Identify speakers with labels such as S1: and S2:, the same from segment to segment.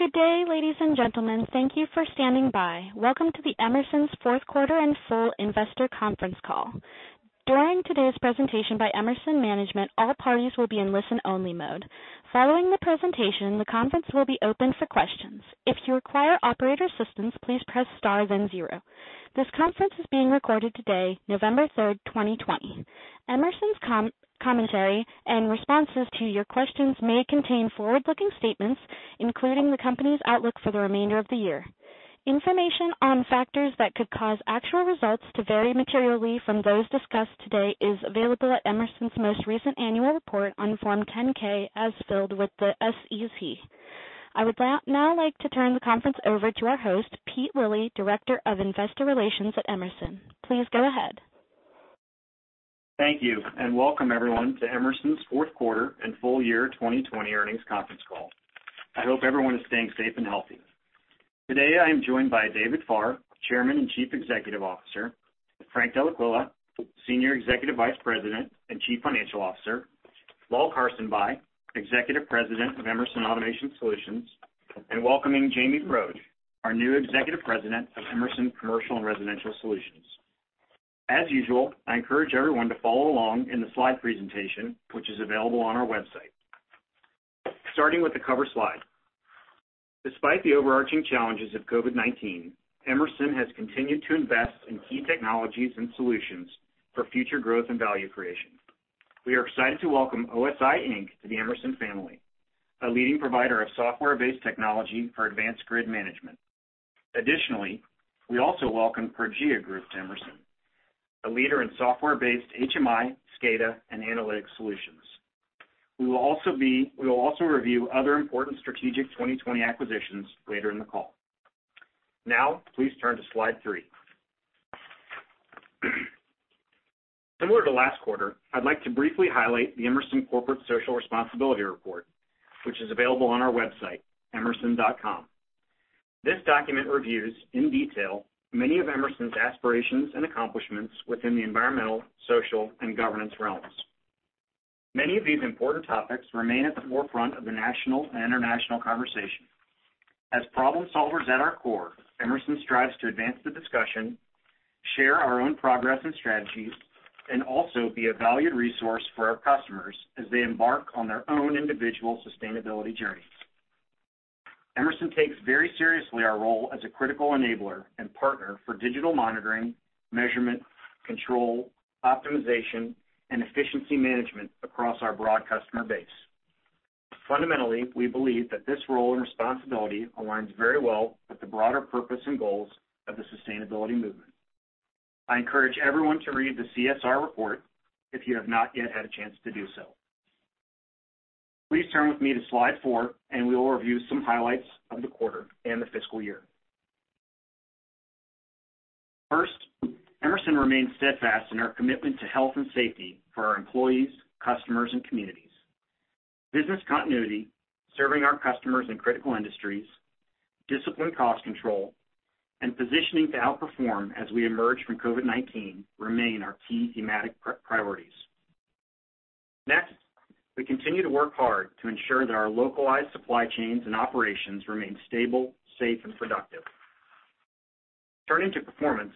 S1: Good day, ladies and gentlemen. Thank you for standing by. Welcome to the Emerson's fourth quarter and full investor conference call. During today's presentation by Emerson management, all parties will be in listen-only mode. Following the presentation, the conference will be open for questions. If you require operator assistance, please press star then zero. This conference is being recorded today, November 3rd, 2020. Emerson's commentary and responses to your questions may contain forward-looking statements, including the company's outlook for the remainder of the year. Information on factors that could cause actual results to vary materially from those discussed today is available at Emerson's most recent annual report on Form 10-K as filed with the SEC. I would now like to turn the conference over to our host, Pete Lilly, Director of Investor Relations at Emerson. Please go ahead.
S2: Thank you. Welcome everyone to Emerson's fourth quarter and full-year 2020 earnings conference call. I hope everyone is staying safe and healthy. Today, I am joined by David Farr, Chairman and Chief Executive Officer; Frank Dellaquila, Senior Executive Vice President and Chief Financial Officer; Lal Karsanbhai, Executive President of Emerson Automation Solutions; and welcoming Jamie Froedge, our new Executive President of Emerson Commercial & Residential Solutions. As usual, I encourage everyone to follow along in the slide presentation, which is available on our website. Starting with the cover slide. Despite the overarching challenges of COVID-19, Emerson has continued to invest in key technologies and solutions for future growth and value creation. We are excited to welcome OSI Inc. to the Emerson family, a leading provider of software-based technology for advanced grid management. Additionally, we also welcome Progea Group to Emerson, a leader in software-based HMI, SCADA, and analytics solutions. We will also review other important strategic 2020 acquisitions later in the call. Now, please turn to slide three. Similar to last quarter, I'd like to briefly highlight the Emerson Corporate Social Responsibility Report, which is available on our website, emerson.com. This document reviews, in detail, many of Emerson's aspirations and accomplishments within the environmental, social, and governance realms. Many of these important topics remain at the forefront of the national and international conversation. As problem solvers at our core, Emerson strives to advance the discussion, share our own progress and strategies, and also be a valued resource for our customers as they embark on their own individual sustainability journeys. Emerson takes very seriously our role as a critical enabler and partner for digital monitoring, measurement, control, optimization, and efficiency management across our broad customer base. Fundamentally, we believe that this role and responsibility aligns very well with the broader purpose and goals of the sustainability movement. I encourage everyone to read the CSR report if you have not yet had a chance to do so. Please turn with me to slide four. We will review some highlights of the quarter and the fiscal year. First, Emerson remains steadfast in our commitment to health and safety for our employees, customers, and communities. Business continuity, serving our customers in critical industries, disciplined cost control, and positioning to outperform as we emerge from COVID-19 remain our key thematic priorities. Next, we continue to work hard to ensure that our localized supply chains and operations remain stable, safe, and productive. Turning to performance,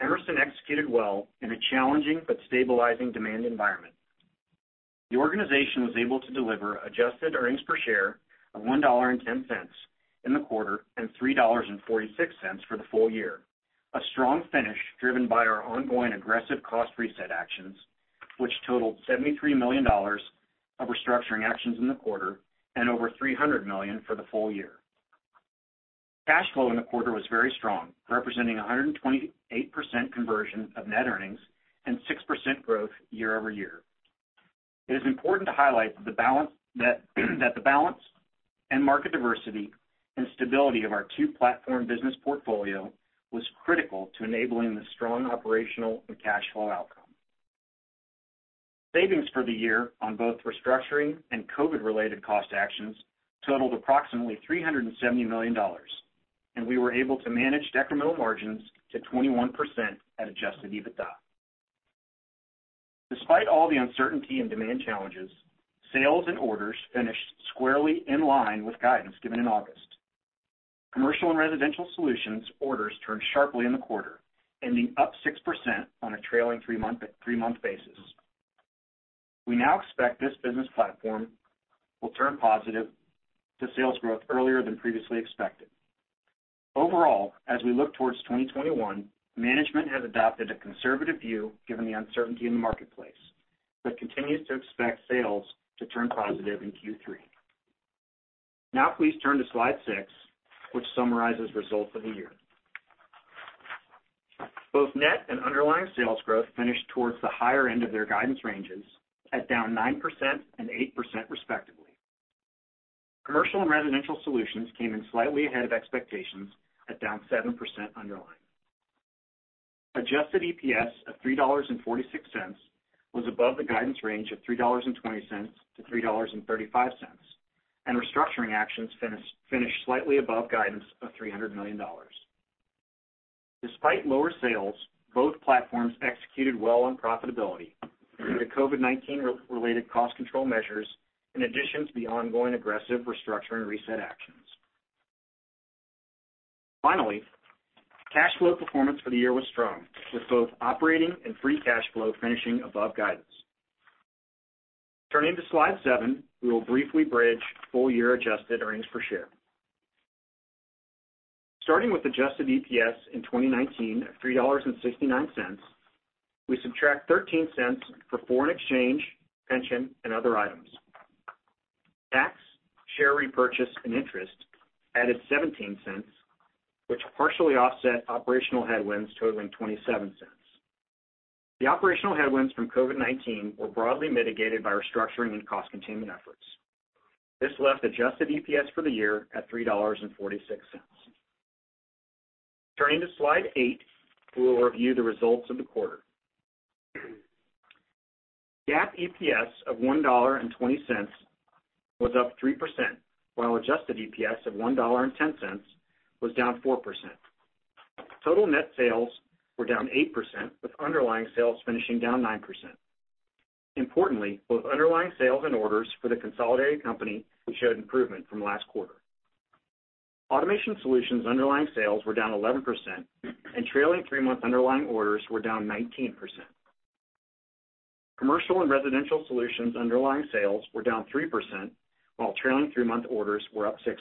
S2: Emerson executed well in a challenging but stabilizing demand environment. The organization was able to deliver adjusted earnings per share of $1.10 in the quarter and $3.46 for the full year. A strong finish driven by our ongoing aggressive cost reset actions, which totaled $73 million of restructuring actions in the quarter and over $300 million for the full year. Cash flow in the quarter was very strong, representing 128% conversion of net earnings and 6% growth year-over-year. It is important to highlight that the balance and market diversity and stability of our two-platform business portfolio was critical to enabling the strong operational and cash flow outcome. Savings for the year on both restructuring and COVID-related cost actions totaled approximately $370 million, and we were able to manage decremental margins to 21% at Adjusted EBITDA. Despite all the uncertainty and demand challenges, sales and orders finished squarely in line with guidance given in August. Commercial & Residential Solutions orders turned sharply in the quarter, ending up 6% on a trailing three-month basis. We now expect this business platform will turn positive to sales growth earlier than previously expected. Overall, as we look towards 2021, management has adopted a conservative view given the uncertainty in the marketplace, but continues to expect sales to turn positive in Q3. Now please turn to slide six, which summarizes results of the year. Both net and underlying sales growth finished towards the higher end of their guidance ranges at down 9% and 8% respectively. Commercial & Residential Solutions came in slightly ahead of expectations at down 7% underlying. Adjusted EPS of $3.46 was above the guidance range of $3.20-$3.35, and restructuring actions finished slightly above guidance of $300 million. Despite lower sales, both platforms executed well on profitability through the COVID-19 related cost control measures, in addition to the ongoing aggressive restructuring and reset actions. Finally, cash flow performance for the year was strong, with both operating and free cash flow finishing above guidance. Turning to slide seven, we will briefly bridge full year adjusted earnings per share. Starting with Adjusted EPS in 2019 of $3.69, we subtract $0.13 for foreign exchange, pension, and other items. Tax, share repurchase, and interest added $0.17, which partially offset operational headwinds totaling $0.27. The operational headwinds from COVID-19 were broadly mitigated by restructuring and cost containment efforts. This left Adjusted EPS for the year at $3.46. Turning to slide eight, we will review the results of the quarter. GAAP EPS of $1.20 was up 3%, while Adjusted EPS of $1.10 was down 4%. Total net sales were down 8%, with underlying sales finishing down 9%. Importantly, both underlying sales and orders for the consolidated company showed improvement from last quarter. Automation Solutions underlying sales were down 11%, and trailing three-month underlying orders were down 19%. Commercial & Residential Solutions underlying sales were down 3%, while trailing three-month orders were up 6%.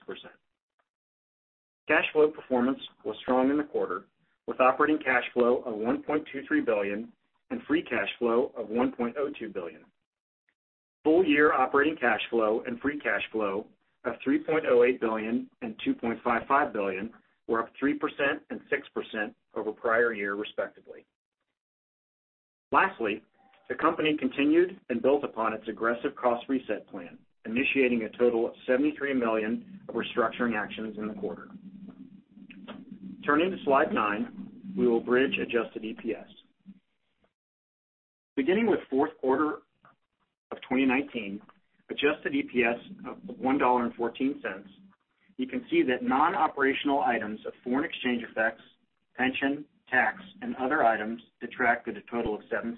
S2: Cash flow performance was strong in the quarter, with operating cash flow of $1.23 billion and free cash flow of $1.02 billion. Full year operating cash flow and free cash flow of $3.08 billion and $2.55 billion were up 3% and 6% over prior year respectively. Lastly, the company continued and built upon its aggressive cost reset plan, initiating a total of $73 million of restructuring actions in the quarter. Turning to slide nine, we will bridge Adjusted EPS. Beginning with fourth quarter of 2019, Adjusted EPS of $1.14, you can see that non-operational items of foreign exchange effects, pension, tax, and other items detracted a total of $0.07.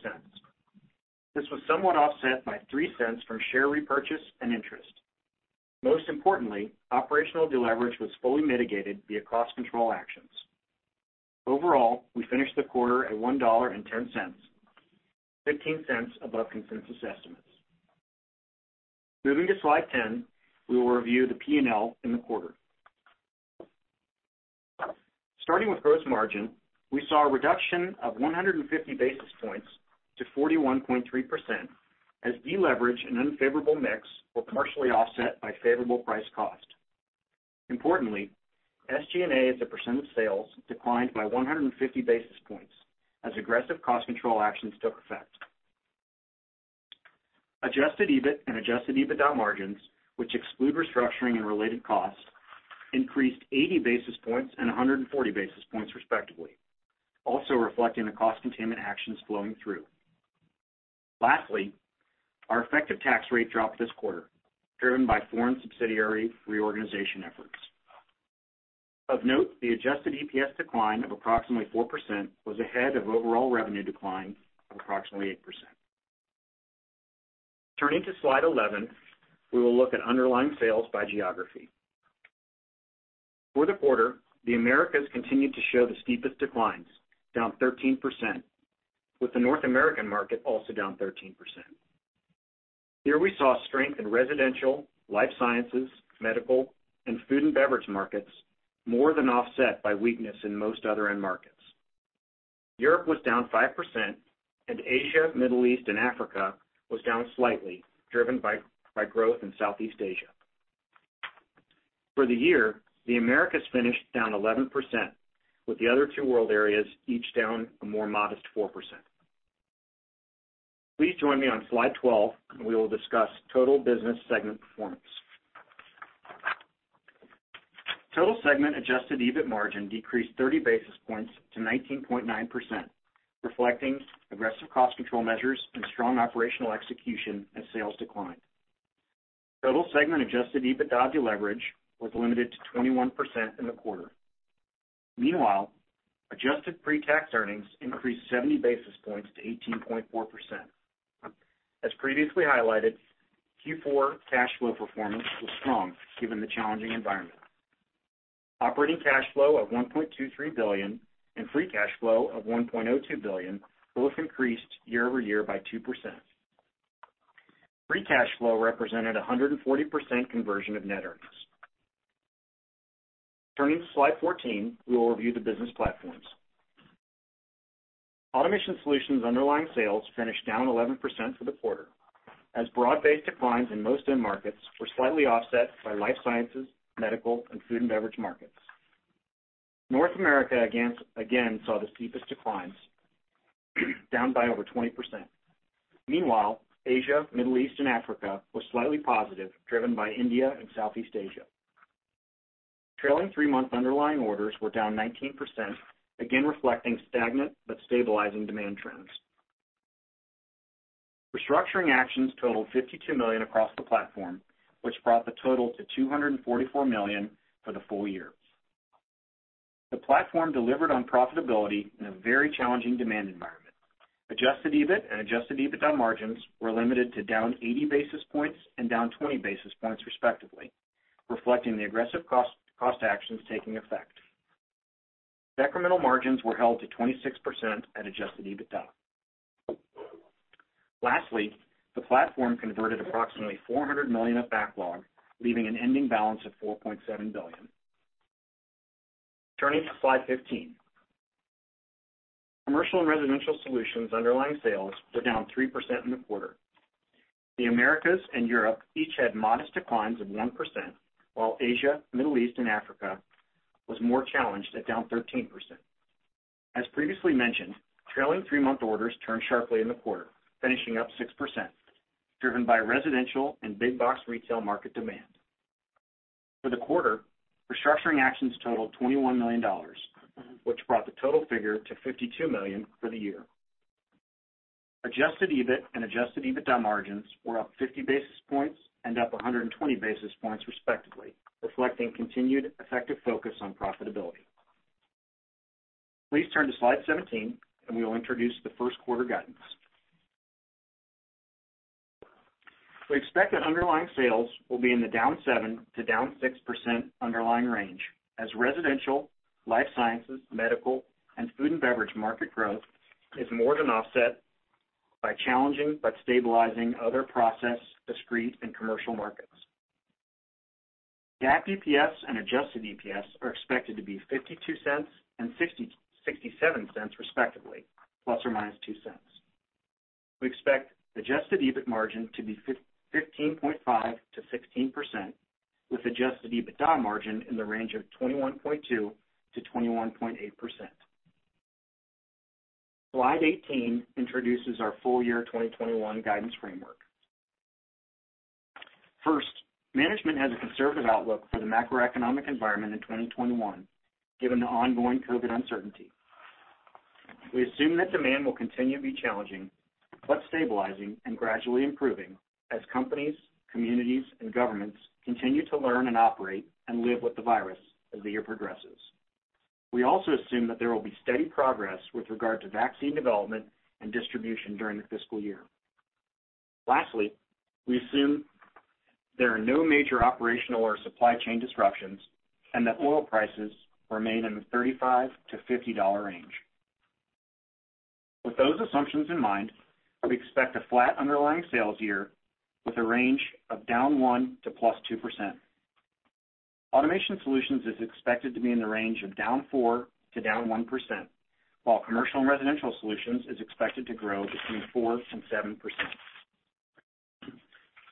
S2: This was somewhat offset by $0.03 from share repurchase and interest. Most importantly, operational deleverage was fully mitigated via cost control actions. Overall, we finished the quarter at $1.10, $0.15 above consensus estimates. Moving to slide 10, we will review the P&L in the quarter. Starting with gross margin, we saw a reduction of 150 basis points to 41.3% as deleverage and unfavorable mix were partially offset by favorable price cost. Importantly, SG&A as a percent of sales declined by 150 basis points as aggressive cost control actions took effect. Adjusted EBIT and Adjusted EBITDA margins, which exclude restructuring and related costs, increased 80 basis points and 140 basis points respectively, also reflecting the cost containment actions flowing through. Lastly, our effective tax rate dropped this quarter, driven by foreign subsidiary reorganization efforts. Of note, the Adjusted EPS decline of approximately 4% was ahead of overall revenue decline of approximately 8%. Turning to slide 11, we will look at underlying sales by geography. For the quarter, the Americas continued to show the steepest declines, down 13%, with the North American market also down 13%. Here we saw strength in residential, life sciences, medical, and food and beverage markets, more than offset by weakness in most other end markets. Europe was down 5%, and Asia, Middle East, and Africa was down slightly, driven by growth in Southeast Asia. For the year, the Americas finished down 11%, with the other two world areas each down a more modest 4%. Please join me on slide 12, and we will discuss total business segment performance. Total segment Adjusted EBIT margin decreased 30 basis points to 19.9%, reflecting aggressive cost control measures and strong operational execution as sales declined. Total segment Adjusted EBITDA deleverage was limited to 21% in the quarter. Meanwhile, adjusted pre-tax earnings increased 70 basis points to 18.4%. As previously highlighted, Q4 cash flow performance was strong given the challenging environment. Operating cash flow of $1.23 billion and free cash flow of $1.02 billion both increased year-over-year by 2%. Free cash flow represented 140% conversion of net earnings. Turning to slide 14, we will review the business platforms. Automation Solutions underlying sales finished down 11% for the quarter, as broad-based declines in most end markets were slightly offset by life sciences, medical, and food and beverage markets. North America again saw the steepest declines, down by over 20%. Mean while, Asia, Middle East, and Africa was slightly positive, driven by India and Southeast Asia. Trailing three-month underlying orders were down 19%, again reflecting stagnant but stabilizing demand trends. Restructuring actions totaled $52 million across the platform, which brought the total to $244 million for the full year. The platform delivered on profitability in a very challenging demand environment. Adjusted EBIT and Adjusted EBITDA margins were limited to down 80 basis points and down 20 basis points respectively, reflecting the aggressive cost actions taking effect. Segmental margins were held to 26% at Adjusted EBITDA. Lastly, the platform converted approximately $400 million of backlog, leaving an ending balance of $4.7 billion. Turning to slide 15. Commercial & Residential Solutions underlying sales were down 3% in the quarter. The Americas and Europe each had modest declines of 1%, while Asia, Middle East, and Africa was more challenged at down 13%. As previously mentioned, trailing three-month orders turned sharply in the quarter, finishing up 6%, driven by residential and big box retail market demand. For the quarter, restructuring actions totaled $21 million, which brought the total figure to $52 million for the year. Adjusted EBIT and Adjusted EBITDA margins were up 50 basis points and up 120 basis points respectively, reflecting continued effective focus on profitability. Please turn to slide 17 and we will introduce the first quarter guidance. We expect that underlying sales will be in the -7% to -6% underlying range, as residential, life sciences, medical, and food and beverage market growth is more than offset by challenging but stabilizing other process, discrete, and commercial markets. GAAP EPS and Adjusted EPS are expected to be $0.52 and $0.67 respectively, ±$0.02. We expect Adjusted EBIT margin to be 15.5%-16%, with Adjusted EBITDA margin in the range of 21.2%-21.8%. Slide 18 introduces our full year 2021 guidance framework. First, management has a conservative outlook for the macroeconomic environment in 2021, given the ongoing COVID-19 uncertainty. We assume that demand will continue to be challenging, but stabilizing and gradually improving as companies, communities, and governments continue to learn and operate and live with the virus as the year progresses. We also assume that there will be steady progress with regard to vaccine development and distribution during the fiscal year. Lastly, we assume there are no major operational or supply chain disruptions, and that oil prices remain in the $35-$50 range. With those assumptions in mind, we expect a flat underlying sales year with a range of -1% to +2%. Automation Solutions is expected to be in the range of -4% to -1%, while Commercial & Residential Solutions is expected to grow between 4% and 7%.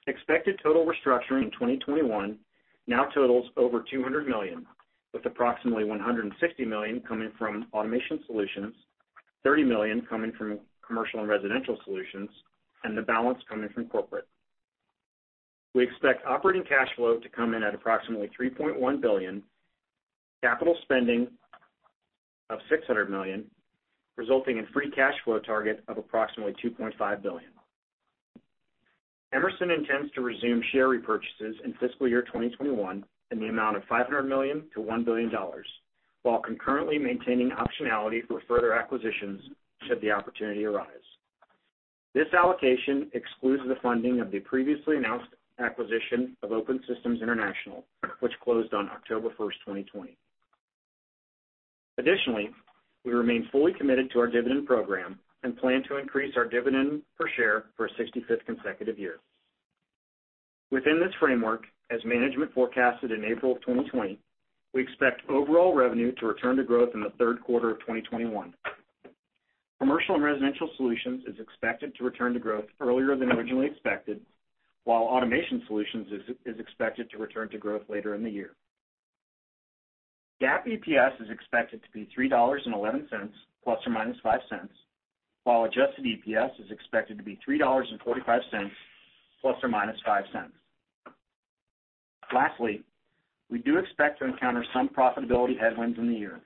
S2: Expected total restructuring in 2021 now totals over $200 million, with approximately $160 million coming from Automation Solutions, $30 million coming from Commercial & Residential Solutions, and the balance coming from corporate. We expect operating cash flow to come in at approximately $3.1 billion, capital spending of $600 million, resulting in free cash flow target of approximately $2.5 billion. Emerson intends to resume share repurchases in fiscal year 2021 in the amount of $500 million-$1 billion, while concurrently maintaining optionality for further acquisitions should the opportunity arise. This allocation excludes the funding of the previously announced acquisition of Open Systems International, which closed on October 1, 2020. Aditionally, we remain fully committed to our dividend program and plan to increase our dividend per share for a 65th consecutive year. Within this framework, as management forecasted in April 2020, we expect overall revenue to return to growth in the third quarter of 2021. Commercial & Residential Solutions is expected to return to growth earlier than originally expected, while Automation Solutions is expected to return to growth later in the year. GAAP EPS is expected to be $3.11, ±$0.05, while Adjusted EPS is expected to be $3.45, ±$0.05. Lastly, we do expect to encounter some profitability headwinds in the year.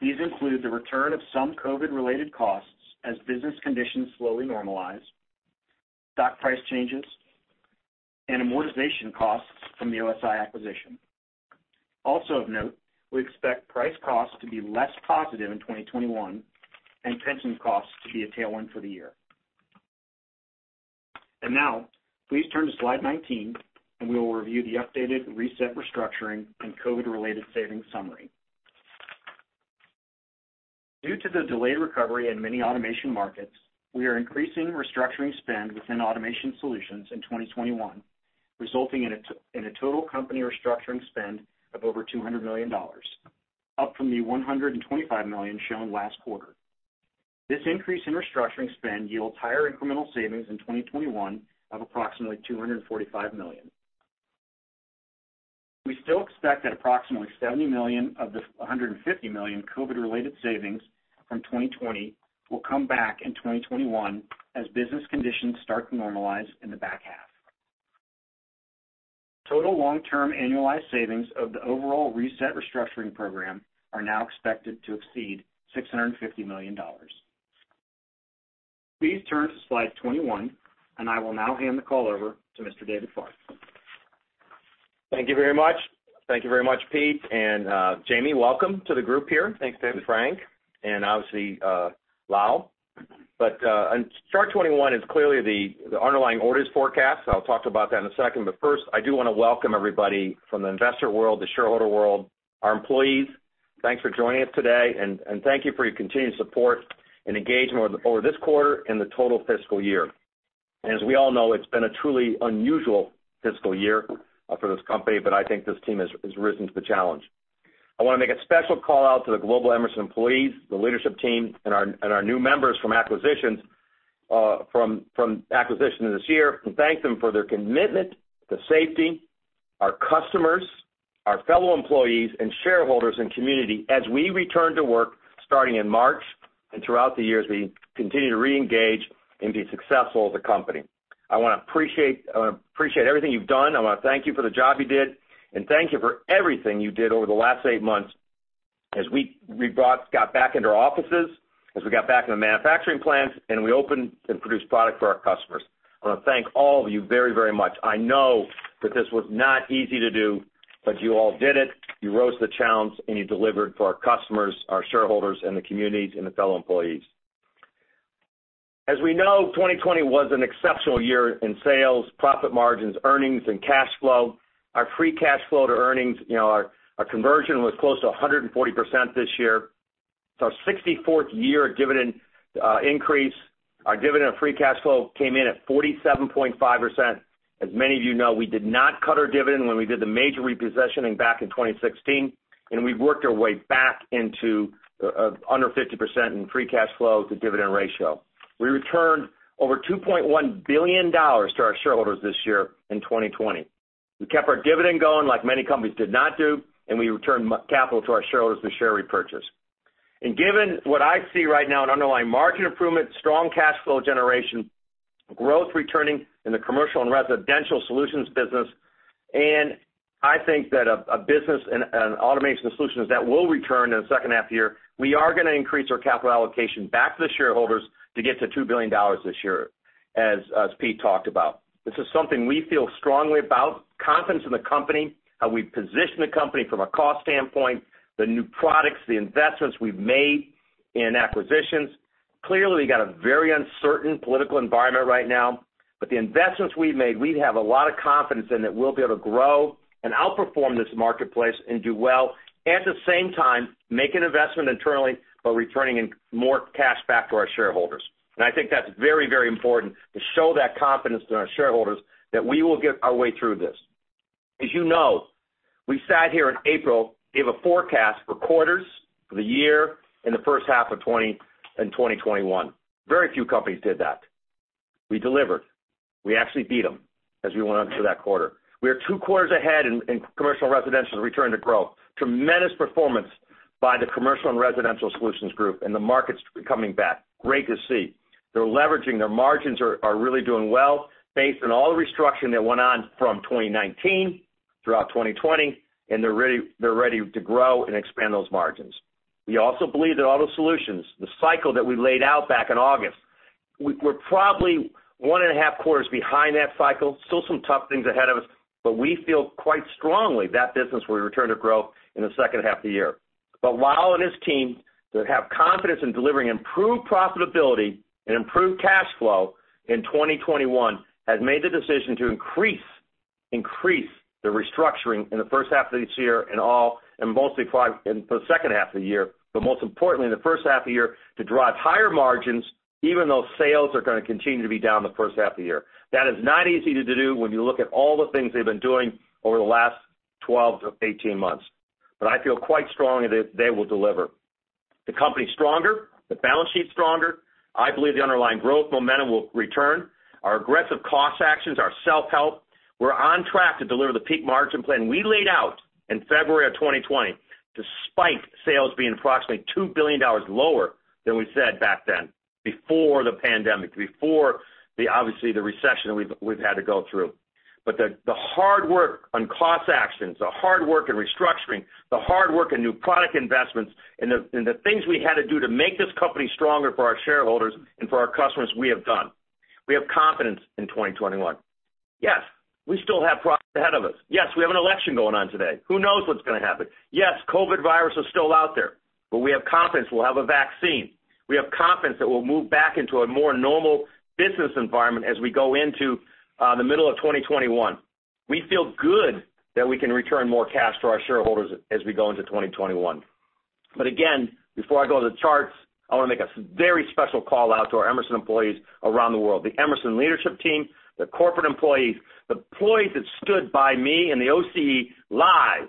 S2: These include the return of some COVID-related costs as business conditions slowly normalize, stock price changes, and amortization costs from the OSI acquisition. Also of note, we expect price costs to be less positive in 2021 and pension costs to be a tailwind for the year. Now, please turn to slide 19, and we will review the updated reset restructuring and COVID-related savings summary. Due to the delayed recovery in many automation markets, we are increasing restructuring spend within Automation Solutions in 2021, resulting in a total company restructuring spend of over $200 million, up from the $125 million shown last quarter. This increase in restructuring spend yields higher incremental savings in 2021 of approximately $245 million. We still expect that approximately $70 million of the $150 million COVID-related savings from 2020 will come back in 2021 as business conditions start to normalize in the back half. Total long-term annualized savings of the overall reset restructuring program are now expected to exceed $650 million. Please turn to slide 21, and I will now hand the call over to Mr. David Farr.
S3: Thank you very much. Thank you very much, Pete and Jamie. Welcome to the group here. Thanks, David, Frank, and obviously, Lal. Chart 21 is clearly the underlying orders forecast. I'll talk about that in a second. First, I do want to welcome everybody from the investor world, the shareholder world, our employees. Thanks for joining us today, and thank you for your continued support and engagement over this quarter and the total fiscal year. As we all know, it's been a truly unusual fiscal year for this company, but I think this team has risen to the challenge. I want to make a special call-out to the global Emerson employees, the leadership team, and our new members from acquisitions this year to thank them for their commitment to safety, our customers, our fellow employees, and shareholders and community as we return to work starting in March and throughout the year as we continue to reengage and be successful as a company. I want to appreciate everything you've done. I want to thank you for the job you did, and thank you for everything you did over the last eight months as we got back into our offices, as we got back in the manufacturing plants, and we opened and produced product for our customers. I want to thank all of you very, very much. I know that this was not easy to do, but you all did it. You rose to the challenge. You delivered for our customers, our shareholders, the communities, and the fellow employees. As we know, 2020 was an exceptional year in sales, profit margins, earnings, and cash flow. Our free cash flow to earnings, our conversion was close to 140% this year. It's our 64th year dividend increase. Our dividend free cash flow came in at 47.5%. As many of you know, we did not cut our dividend when we did the major repositioning back in 2016. We've worked our way back into under 50% in free cash flow to dividend ratio. We returned over $2.1 billion to our shareholders this year in 2020. We kept our dividend going like many companies did not do. We returned capital to our shareholders through share repurchase. Given what I see right now in underlying margin improvement, strong cash flow generation, growth returning in the Commercial & Residential Solutions business, and I think that a business and Automation Solutions that will return in the second half of the year, we are going to increase our capital allocation back to the shareholders to get to $2 billion this year, as Pete talked about. This is something we feel strongly about, confidence in the company, how we position the company from a cost standpoint, the new products, the investments we've made in acquisitions. Clearly, we've got a very uncertain political environment right now, the investments we've made, we have a lot of confidence in that we'll be able to grow and outperform this marketplace and do well. At the same time, make an investment internally while returning more cash back to our shareholders. I think that's very important to show that confidence to our shareholders that we will get our way through this. As you know, we sat here in April, gave a forecast for quarters, for the year, and the first half of 2020 and 2021. Very few companies did that. We delivered. We actually beat them as we went into that quarter. We are two quarters ahead in Commercial Residential Solutions return to growth. Tremendous performance by the Commercial and Residential Solutions group and the market's coming back. Great to see. They're leveraging, their margins are really doing well based on all the restructuring that went on from 2019 throughout 2020, and they're ready to grow and expand those margins. We also believe that Auto Solutions, the cycle that we laid out back in August, we're probably one and a half quarters behind that cycle. Still some tough things ahead of us, but we feel quite strongly that business will return to growth in the second half of the year. Lal and his team have confidence in delivering improved profitability and improved cash flow in 2021, have made the decision to increase the restructuring in the first half of this year and mostly for the second half of the year. Most importantly, in the first half of the year to drive higher margins, even though sales are going to continue to be down the first half of the year. That is not easy to do when you look at all the things they've been doing over the last 12-18 months. I feel quite strongly that they will deliver. The company's stronger, the balance sheet's stronger. I believe the underlying growth momentum will return. Our aggressive cost actions, our self-help. We're on track to deliver the peak margin plan we laid out in February of 2020, despite sales being approximately $2 billion lower than we said back then before the pandemic, before obviously the recession we've had to go through. The hard work on cost actions, the hard work in restructuring, the hard work in new product investments, and the things we had to do to make this company stronger for our shareholders and for our customers, we have done. We have confidence in 2021. Yes, we still have problems ahead of us. Yes, we have an election going on today. Who knows what's going to happen? Yes, COVID virus is still out there, but we have confidence we'll have a vaccine. We have confidence that we'll move back into a more normal business environment as we go into the middle of 2021. We feel good that we can return more cash to our shareholders as we go into 2021. Again, before I go to the charts, I want to make a very special call-out to our Emerson employees around the world. The Emerson leadership team, the corporate employees, the employees that stood by me and the OCE live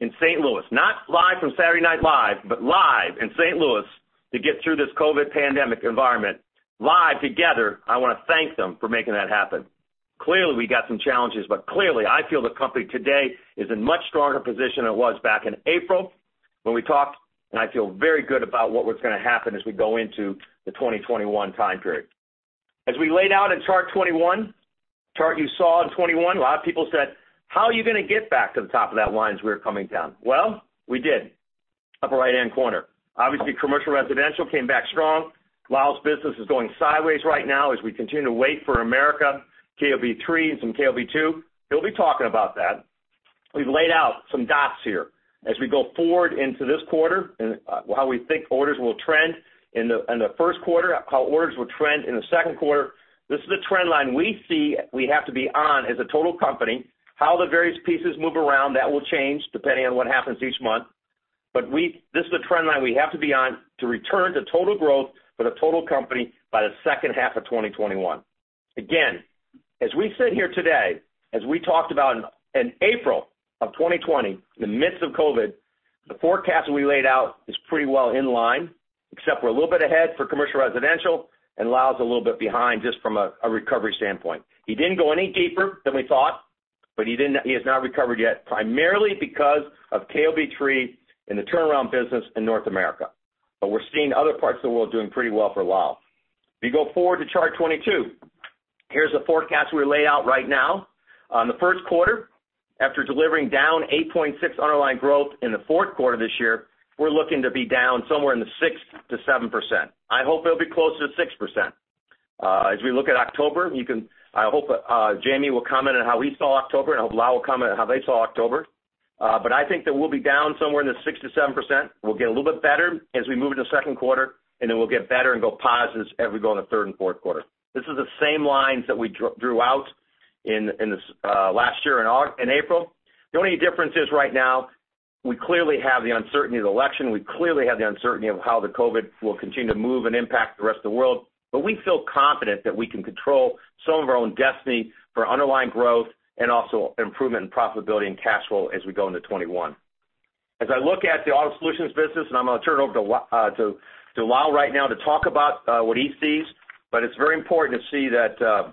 S3: in St. Louis, not live from Saturday Night Live, but live in St. Louis to get through this COVID pandemic environment, live together. I want to thank them for making that happen. Clearly, we got some challenges, but clearly, I feel the company today is in much stronger position than it was back in April when we talked, and I feel very good about what was going to happen as we go into the 2021 time period. As we laid out in chart 21, chart you saw in 21, a lot of people said, how are you going to get back to the top of that line as we were coming down? Well, we did. Upper right-hand corner. Obviously, Commercial & Residential Solutions came back strong. Lal's business is going sideways right now as we continue to wait for America, KOB-3 and some KOB-2. He'll be talking about that. We've laid out some dots here as we go forward into this quarter and how we think orders will trend in the first quarter, how orders will trend in the second quarter. This is the trend line we see we have to be on as a total company. How the various pieces move around, that will change depending on what happens each month. This is the trend line we have to be on to return to total growth for the total company by the second half of 2021. Again, as we sit here today, as we talked about in April of 2020, in the midst of COVID, the forecast we laid out is pretty well in line, except we're a little bit ahead for Commercial & Residential Solutions and Lal's a little bit behind just from a recovery standpoint. He didn't go any deeper than we thought, he has not recovered yet, primarily because of KOB-3 and the turnaround business in North America. We're seeing other parts of the world doing pretty well for Lal. If you go forward to chart 22, here's the forecast we laid out right now. On the first quarter, after delivering down 8.6 underlying growth in the fourth quarter this year, we're looking to be down somewhere in the 6%-7%. I hope it'll be closer to 6%. As we look at October, I hope Jamie will comment on how he saw October, and I hope Lal will comment on how they saw October. I think that we'll be down somewhere in the 6%-7%. We'll get a little bit better as we move into the second quarter, we'll get better and go positive as we go in the third and fourth quarter. This is the same lines that we drew out last year in April. The only difference is right now, we clearly have the uncertainty of the election. We clearly have the uncertainty of how the COVID will continue to move and impact the rest of the world. We feel confident that we can control some of our own destiny for underlying growth and also improvement in profitability and cash flow as we go into 2021. As I look at the Automation Solutions business, and I'm going to turn it over to Lal right now to talk about what he sees. It's very important to see that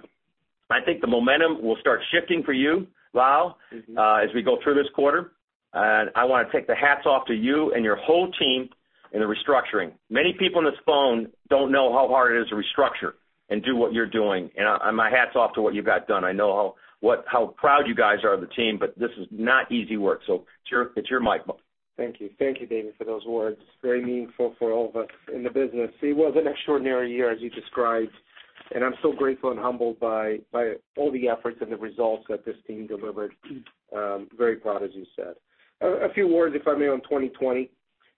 S3: I think the momentum will start shifting for you, Lal as we go through this quarter. I want to take the hats off to you and your whole team in the restructuring. Many people on this phone don't know how hard it is to restructure and do what you're doing. My hat's off to what you got done. I know how proud you guys are of the team, but this is not easy work. It's your mic.
S4: Thank you. Thank you, David, for those words. Very meaningful for all of us in the business. It was an extraordinary year, as you described, and I'm so grateful and humbled by all the efforts and the results that this team delivered. Very proud, as you said. A few words, if I may, on 2020.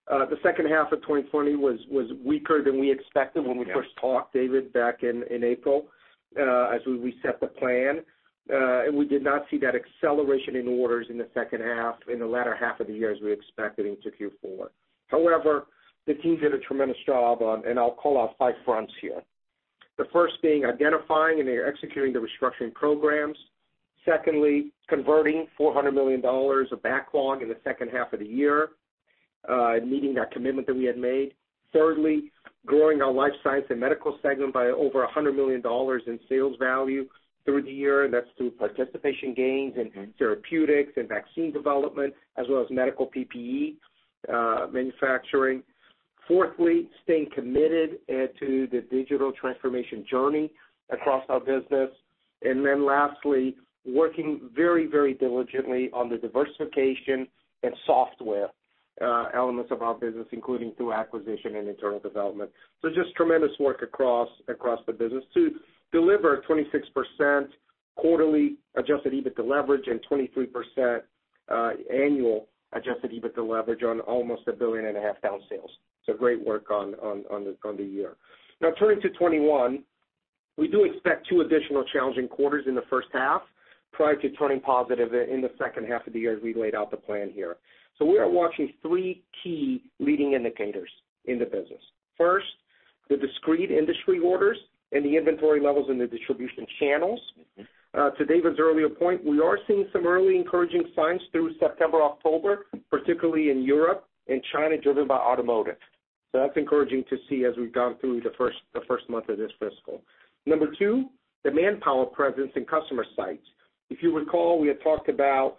S4: The second half of 2020 was weaker than we expected when we first talked, David, back in April, as we reset the plan. We did not see that acceleration in orders in the second half, in the latter half of the year as we expected into Q4. However, the team did a tremendous job, and I'll call out five fronts here. The first being identifying and executing the restructuring programs. Secondly, converting $400 million of backlog in the second half of the year, meeting that commitment that we had made. Thirdly, growing our life science and medical segment by over $100 million in sales value through the year. That's through participation gains in therapeutics and vaccine development, as well as medical PPE manufacturing. Fourthly, staying committed to the Digital Transformation journey across our business. Lastly, working very diligently on the diversification and software elements of our business, including through acquisition and internal development. Just tremendous work across the business to deliver a 26% quarterly Adjusted EBIT leverage and 23% annual Adjusted EBIT leverage on almost a billion and a half down sales. Great work on the year. Turning to 2021, we do expect two additional challenging quarters in the first half prior to turning positive in the second half of the year as we laid out the plan here. We are watching three key leading indicators in the business. First, the discrete industry orders and the inventory levels in the distribution channels. To David's earlier point, we are seeing some early encouraging signs through September, October, particularly in Europe and China, driven by automotive. That's encouraging to see as we've gone through the first month of this fiscal. Number two, the manpower presence in customer sites. If you recall, we had talked about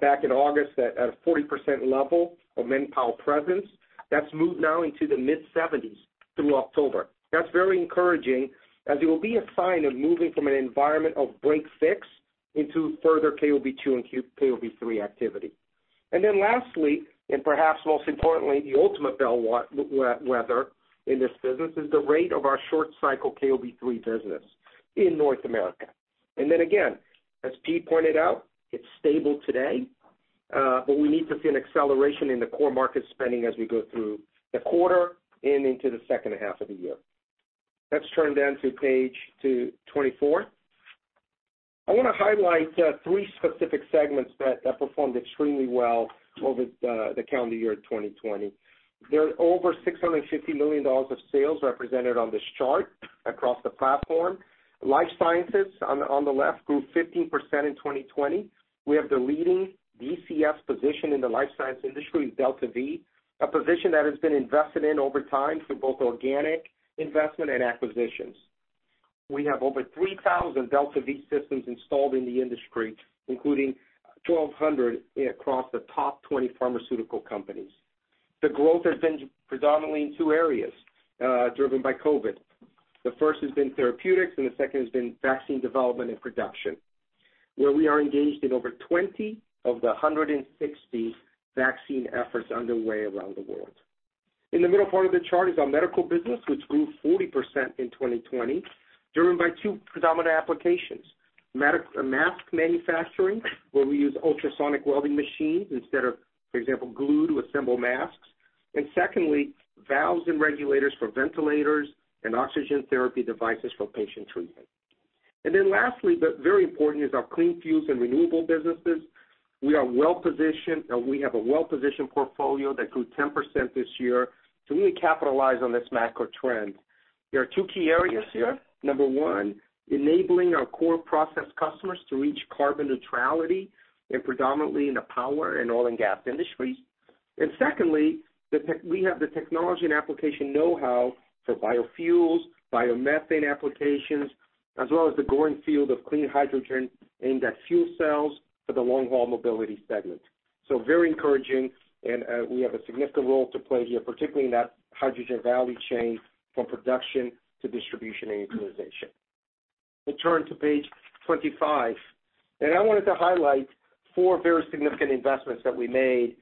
S4: back in August that at a 40% level of manpower presence, that's moved now into the mid-70s through October. That's very encouraging as it will be a sign of moving from an environment of break fix into further KOB-2 and KOB-3 activity. Lastly, and perhaps most importantly, the ultimate bellwether in this business is the rate of our short cycle KOB-3 business in North America. Again, as Pete pointed out, it's stable today. We need to see an acceleration in the core market spending as we go through the quarter and into the second half of the year. Let's turn then to page 24. I want to highlight three specific segments that performed extremely well over the calendar year 2020. There are over $650 million of sales represented on this chart across the platform. Life sciences, on the left, grew 15% in 2020. We have the leading DCF position in the life science industry with DeltaV, a position that has been invested in over time through both organic investment and acquisitions. We have over 3,000 DeltaV systems installed in the industry, including 1,200 across the top 20 pharmaceutical companies. The growth has been predominantly in two areas, driven by COVID. The first has been therapeutics, the second has been vaccine development and production, where we are engaged in over 20 of the 160 vaccine efforts underway around the world. In the middle part of the chart is our medical business, which grew 40% in 2020, driven by two predominant applications. Mask manufacturing, where we use ultrasonic welding machines instead of, for example, glue to assemble masks. Secondly, valves and regulators for ventilators and oxygen therapy devices for patient treatment. Lastly, but very important, is our clean fuels and renewable businesses. We have a well-positioned portfolio that grew 10% this year to really capitalize on this macro trend. There are two key areas here. Number one, enabling our core process customers to reach carbon neutrality, and predominantly in the power and oil and gas industries. Secondly, we have the technology and application know-how for biofuels, biomethane applications, as well as the growing field of clean hydrogen aimed at fuel cells for the long-haul mobility segment. Very encouraging, and we have a significant role to play here, particularly in that hydrogen value chain from production to distribution and utilization. We turn to page 25, and I wanted to highlight four very significant investments that we made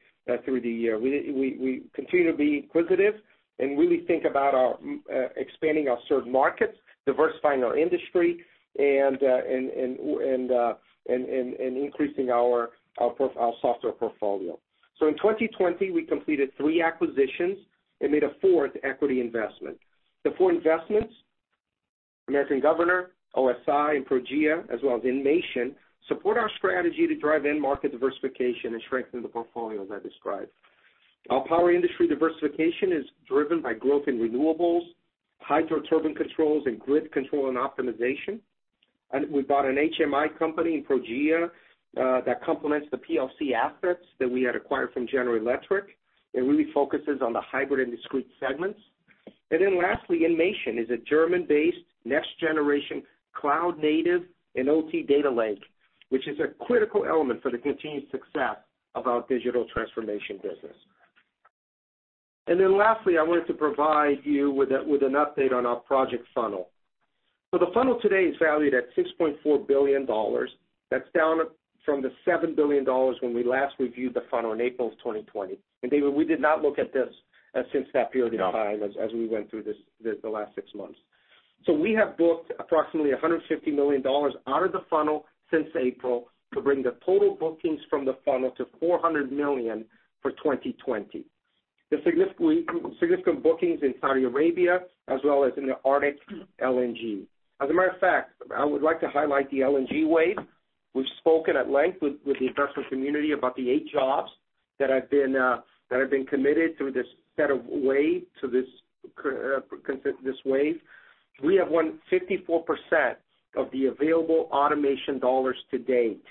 S4: through the year. We continue to be inquisitive and really think about expanding our served markets, diversifying our industry, and increasing our software portfolio. In 2020, we completed three acquisitions and made a fourth equity investment. The four investments, American Governor, OSI, and Progea, as well as Enmation, support our strategy to drive end market diversification and strengthen the portfolio, as I described. Our power industry diversification is driven by growth in renewables, hydro turbine controls, and grid control and optimization. We bought an HMI company in Progea that complements the PLC assets that we had acquired from General Electric. It really focuses on the hybrid and discrete segments. Lastly, Enmation is a German-based, next generation, cloud native and OT data lake, which is a critical element for the continued success of our digital transformation business. Lastly, I wanted to provide you with an update on our project funnel. The funnel today is valued at $6.4 billion. That's down from the $7 billion when we last reviewed the funnel in April of 2020. David, we did not look at this since that period of time as we went through the last six months. We have booked approximately $150 million out of the funnel since April to bring the total bookings from the funnel to $400 million for 2020. The significant bookings in Saudi Arabia as well as in the Arctic LNG. As a matter of fact, I would like to highlight the LNG wave. We've spoken at length with the investment community about the eight jobs that have been committed to this wave. We have won 54% of the available automation dollars to-date,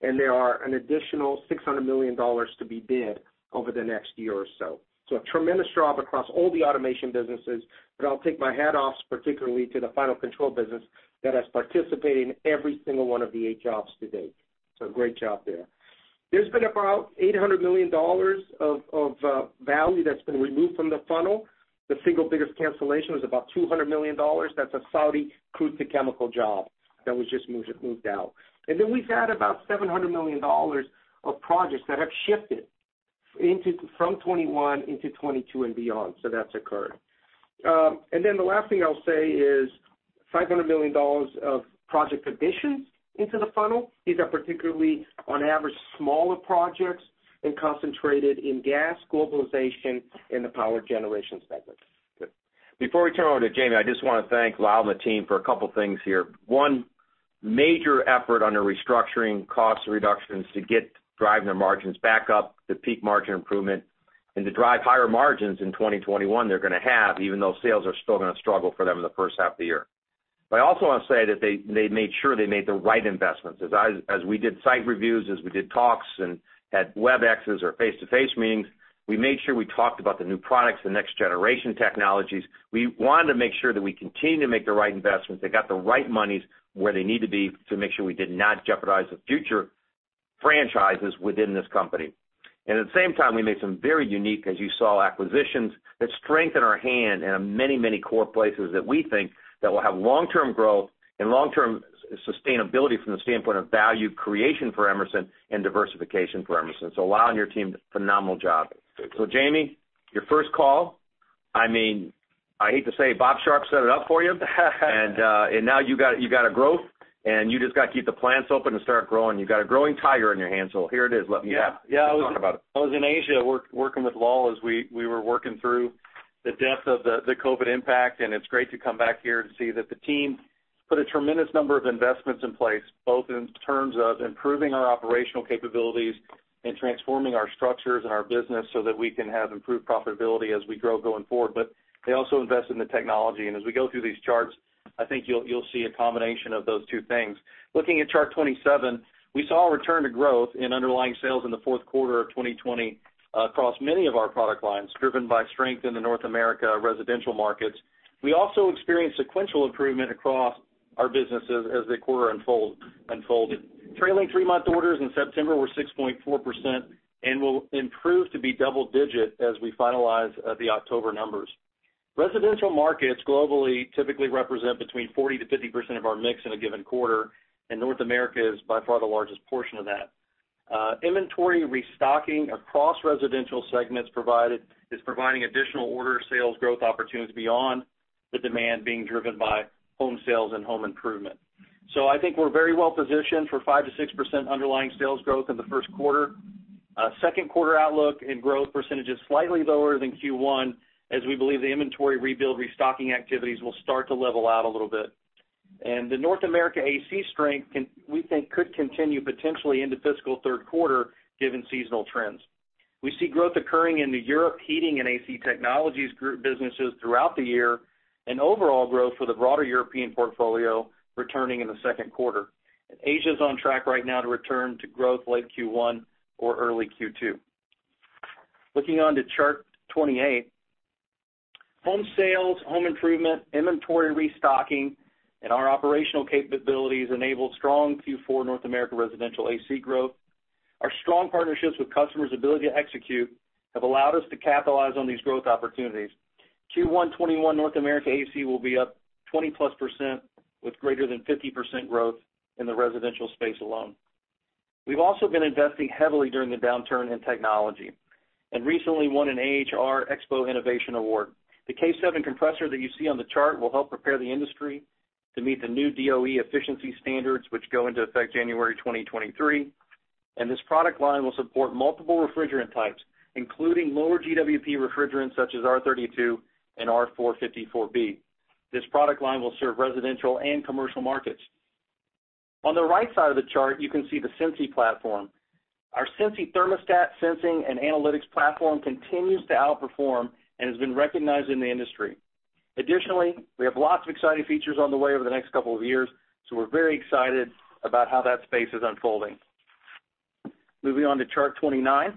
S4: and there are an additional $600 million to be bid over the next year or so. A tremendous job across all the automation businesses, but I'll take my hat off particularly to the final control business that has participated in every single one of the eight jobs to-date. So great job there. There's been about $800 million of value that's been removed from the funnel. The single biggest cancellation was about $200 million. That's a Saudi crude to chemical job that was just moved out. We've had about $700 million of projects that have shifted from 2021 into 2022 and beyond. That's occurred. The last thing I'll say is $500 million of project additions into the funnel. These are particularly, on average, smaller projects and concentrated in gas globalization in the power generation segment.
S3: Good. Before we turn over to Jamie, I just want to thank Lal and the team for a couple things here. One, major effort under restructuring cost reductions to drive their margins back up to peak margin improvement, and to drive higher margins in 2021 they're going to have, even though sales are still going to struggle for them in the first half of the year. I also want to say that they made sure they made the right investments. As we did site reviews, as we did talks and had Webexes or face-to-face meetings, we made sure we talked about the new products, the next generation technologies. We wanted to make sure that we continue to make the right investments, that got the right monies where they need to be to make sure we did not jeopardize the future franchises within this company. At the same time, we made some very unique, as you saw, acquisitions that strengthen our hand in many core places that we think that will have long-term growth and long-term sustainability from the standpoint of value creation for Emerson and diversification for Emerson. Lal and your team, phenomenal job. Jamie, your first call. I hate to say, Bob Sharp set it up for you. Now you got a growth, and you just got to keep the plants open and start growing. You got a growing tire in your hands. Here it is. Let me talk about it.
S5: Yeah. I was in Asia working with Lal as we were working through the depth of the COVID impact, and it's great to come back here and see that the team put a tremendous number of investments in place, both in terms of improving our operational capabilities and transforming our structures and our business so that we can have improved profitability as we grow going forward. They also invested in the technology. As we go through these charts, I think you'll see a combination of those two things. Looking at chart 27, we saw a return to growth in underlying sales in the fourth quarter of 2020 across many of our product lines, driven by strength in the North America residential markets. We also experienced sequential improvement across our businesses as the quarter unfolded. Trailing three-month orders in September were 6.4% and will improve to be double-digit as we finalize the October numbers. Residential markets globally typically represent between 40%-50% of our mix in a given quarter. North America is by far the largest portion of that. Inventory restocking across residential segments is providing additional order sales growth opportunities beyond the demand being driven by home sales and home improvement. I think we're very well-positioned for 5%-6% underlying sales growth in the first quarter. Second quarter outlook and growth percentage is slightly lower than Q1, as we believe the inventory rebuild restocking activities will start to level out a little bit. The North America AC strength we think could continue potentially into fiscal third quarter, given seasonal trends. We see growth occurring in the Europe heating and AC technologies group businesses throughout the year, overall growth for the broader European portfolio returning in the second quarter. Asia is on track right now to return to growth late Q1 or early Q2. Looking on to Chart 28. Home sales, home improvement, inventory restocking, and our operational capabilities enabled strong Q4 North America residential AC growth. Our strong partnerships with customers' ability to execute have allowed us to capitalize on these growth opportunities. Q1 2021 North America AC will be up 20%+ with greater than 50% growth in the residential space alone. We've also been investing heavily during the downturn in technology and recently won an AHR Expo Innovation Award. The K7 compressor that you see on the chart will help prepare the industry to meet the new DOE efficiency standards, which go into effect January 2023. This product line will support multiple refrigerant types, including lower GWP refrigerants such as R32 and R454B. This product line will serve residential and commercial markets. On the right side of the chart, you can see the Sensi platform. Our Sensi thermostat sensing and analytics platform continues to outperform and has been recognized in the industry. Additionally, we have lots of exciting features on the way over the next couple of years, so we're very excited about how that space is unfolding. Moving on to Chart 29.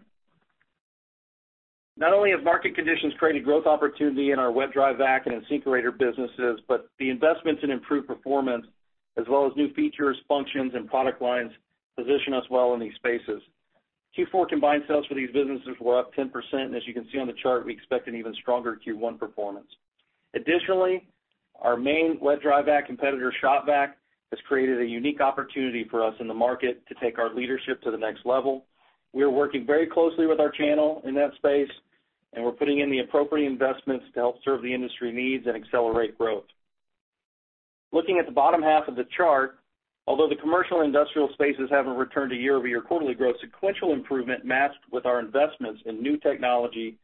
S5: Not only have market conditions created growth opportunity in our wet dry vac and InSinkErator businesses, but the investments in improved performance as well as new features, functions, and product lines position us well in these spaces. Q4 combined sales for these businesses were up 10%, and as you can see on the chart, we expect an even stronger Q1 performance. Additionally, our main wet dry vac competitor, Shop-Vac, has created a unique opportunity for us in the market to take our leadership to the next level. We are working very closely with our channel in that space, and we're putting in the appropriate investments to help serve the industry needs and accelerate growth. Looking at the bottom half of the chart, although the commercial industrial spaces haven't returned to year-over-year quarterly growth, sequential improvement matched with our investments in new technology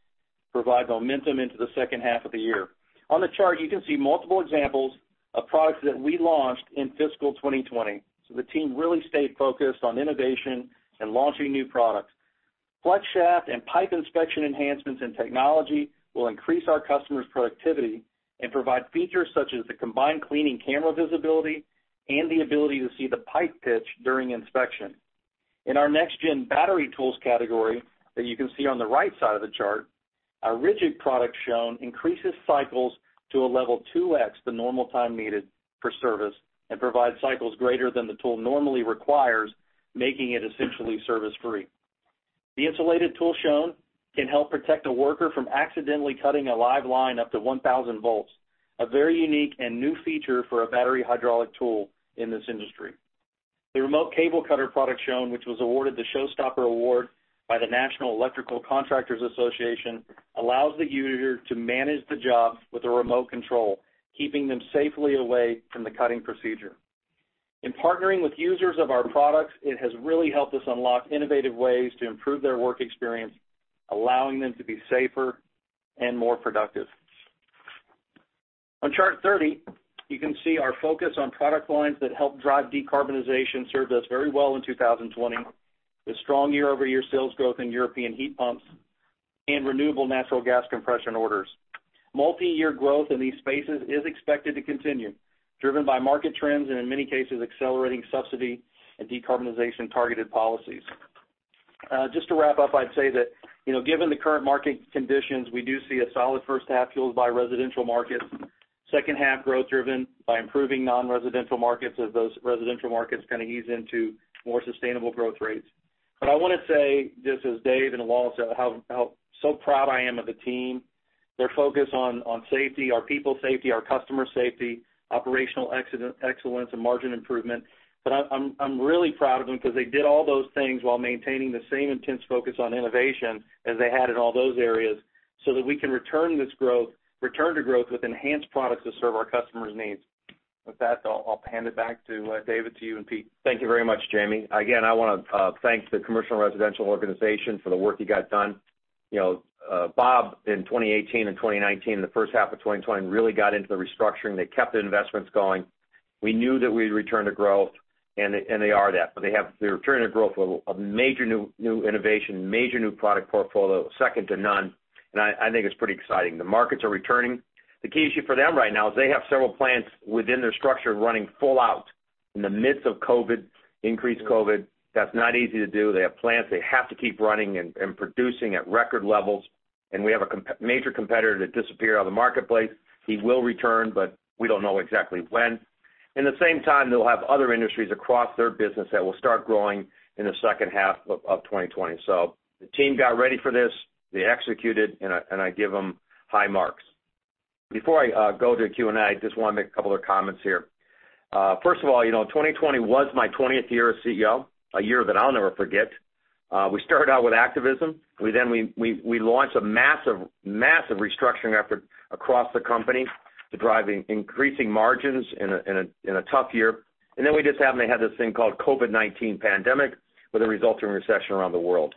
S5: provide momentum into the second half of the year. On the chart, you can see multiple examples of products that we launched in fiscal 2020. The team really stayed focused on innovation and launching new products. Flex shaft and pipe inspection enhancements in technology will increase our customers' productivity and provide features such as the combined cleaning camera visibility and the ability to see the pipe pitch during inspection. In our next gen battery tools category that you can see on the right side of the chart, our RIDGID product shown increases cycles to a level 2x the normal time needed for service and provides cycles greater than the tool normally requires, making it essentially service-free. The insulated tool shown can help protect a worker from accidentally cutting a live line up to 1,000 V. A very unique and new feature for a battery hydraulic tool in this industry. The remote cable cutter product shown, which was awarded the Showstopper Award by the National Electrical Contractors Association, allows the user to manage the job with a remote control, keeping them safely away from the cutting procedure. In partnering with users of our products, it has really helped us unlock innovative ways to improve their work experience, allowing them to be safer and more productive. On Chart 30, you can see our focus on product lines that help drive decarbonization served us very well in 2020 with strong year-over-year sales growth in European heat pumps and renewable natural gas compression orders. Multi-year growth in these spaces is expected to continue, driven by market trends and in many cases, accelerating subsidy and decarbonization targeted policies. Just to wrap up, I'd say that, given the current market conditions, we do see a solid first half fueled by residential markets, second half growth driven by improving non-residential markets as those residential markets kind of ease into more sustainable growth rates. I want to say just as Dave and Lal said, how so proud I am of the team, their focus on safety, our people safety, our customer safety, operational excellence, and margin improvement. I'm really proud of them because they did all those things while maintaining the same intense focus on innovation as they had in all those areas so that we can return to growth with enhanced products to serve our customers' needs. With that, I'll hand it back to David, to you and Pete.
S3: Thank you very much, Jamie. Again, I want to thank the Commercial & Residential Solutions organization for the work you got done. Bob in 2018 and 2019, and the first half of 2020 really got into the restructuring. They kept the investments going. We knew that we'd return to growth, and they are that. They returned to growth with a major new innovation, major new product portfolio, second to none, and I think it's pretty exciting. The markets are returning. The key issue for them right now is they have several plants within their structure running full out. In the midst of increased COVID, that's not easy to do. They have plants they have to keep running and producing at record levels. We have a major competitor that disappeared out of the marketplace. He will return, but we don't know exactly when. In the same time, they'll have other industries across their business that will start growing in the second half of 2020. The team got ready for this, they executed, and I give them high marks. Before I go to Q&A, I just want to make a couple of comments here. First of all, 2020 was my 20th year as CEO, a year that I'll never forget. We started out with activism. We launched a massive restructuring effort across the company to drive increasing margins in a tough year. We just happened to have this thing called COVID-19 pandemic with a resulting recession around the world.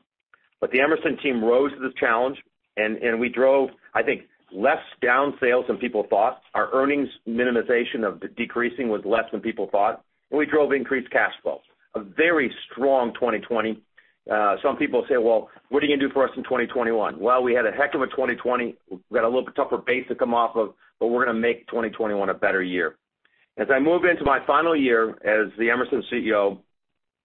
S3: The Emerson team rose to this challenge and we drove, I think, less down sales than people thought. Our earnings minimization of decreasing was less than people thought, and we drove increased cash flow. A very strong 2020. Some people say, what are you going to do for us in 2021? We had a heck of a 2020. We've got a little bit tougher base to come off of, but we're going to make 2021 a better year. As I move into my final year as the Emerson CEO,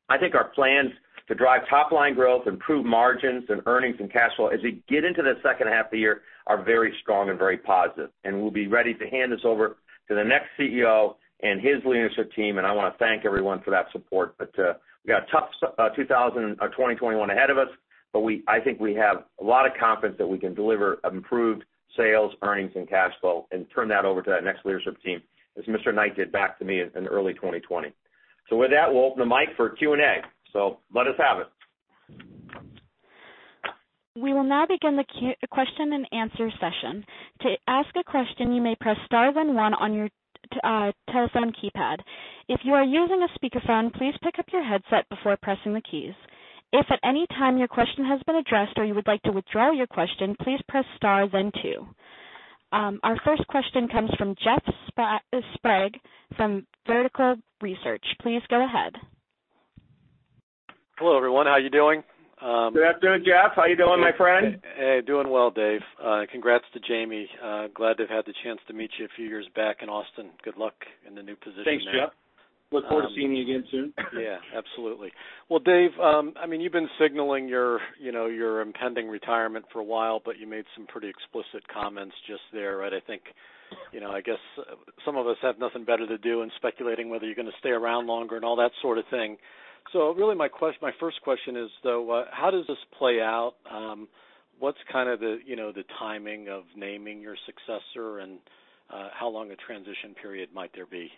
S3: I think our plans to drive top-line growth, improve margins and earnings and cash flow as we get into the second half of the year are very strong and very positive, and we'll be ready to hand this over to the next CEO and his leadership team, and I want to thank everyone for that support. We got a tough 2021 ahead of us, but I think we have a lot of confidence that we can deliver improved sales, earnings, and cash flow and turn that over to that next leadership team, as Mr. Knight did back to me in early 2020. With that, we'll open the mic for Q&A. Let us have it.
S1: We will now begin the question and answer session. To ask a question you may press star one on your touchphone keypad. If you are using a speaker phone, please pick up your head set before pressing the keys. If at anytime your question has been addressed and you would like to withdraw your question, please press star then two. Our first question comes from Jeff Sprague from Vertical Research. Please go ahead.
S6: Hello, everyone. How are you doing?
S3: Good afternoon, Jeff. How are you doing, my friend?
S6: Hey, doing well, Dave. Congrats to Jamie. Glad to have had the chance to meet you a few years back in Austin. Good luck in the new position there.
S3: Thanks, Jeff. Look forward to seeing you again soon.
S6: Yeah, absolutely. Well, Dave, you've been signaling your impending retirement for a while, but you made some pretty explicit comments just there. I guess some of us have nothing better to do than speculating whether you're going to stay around longer and all that sort of thing. Really my first question is, though, how does this play out? What's kind of the timing of naming your successor, and how long a transition period might there be?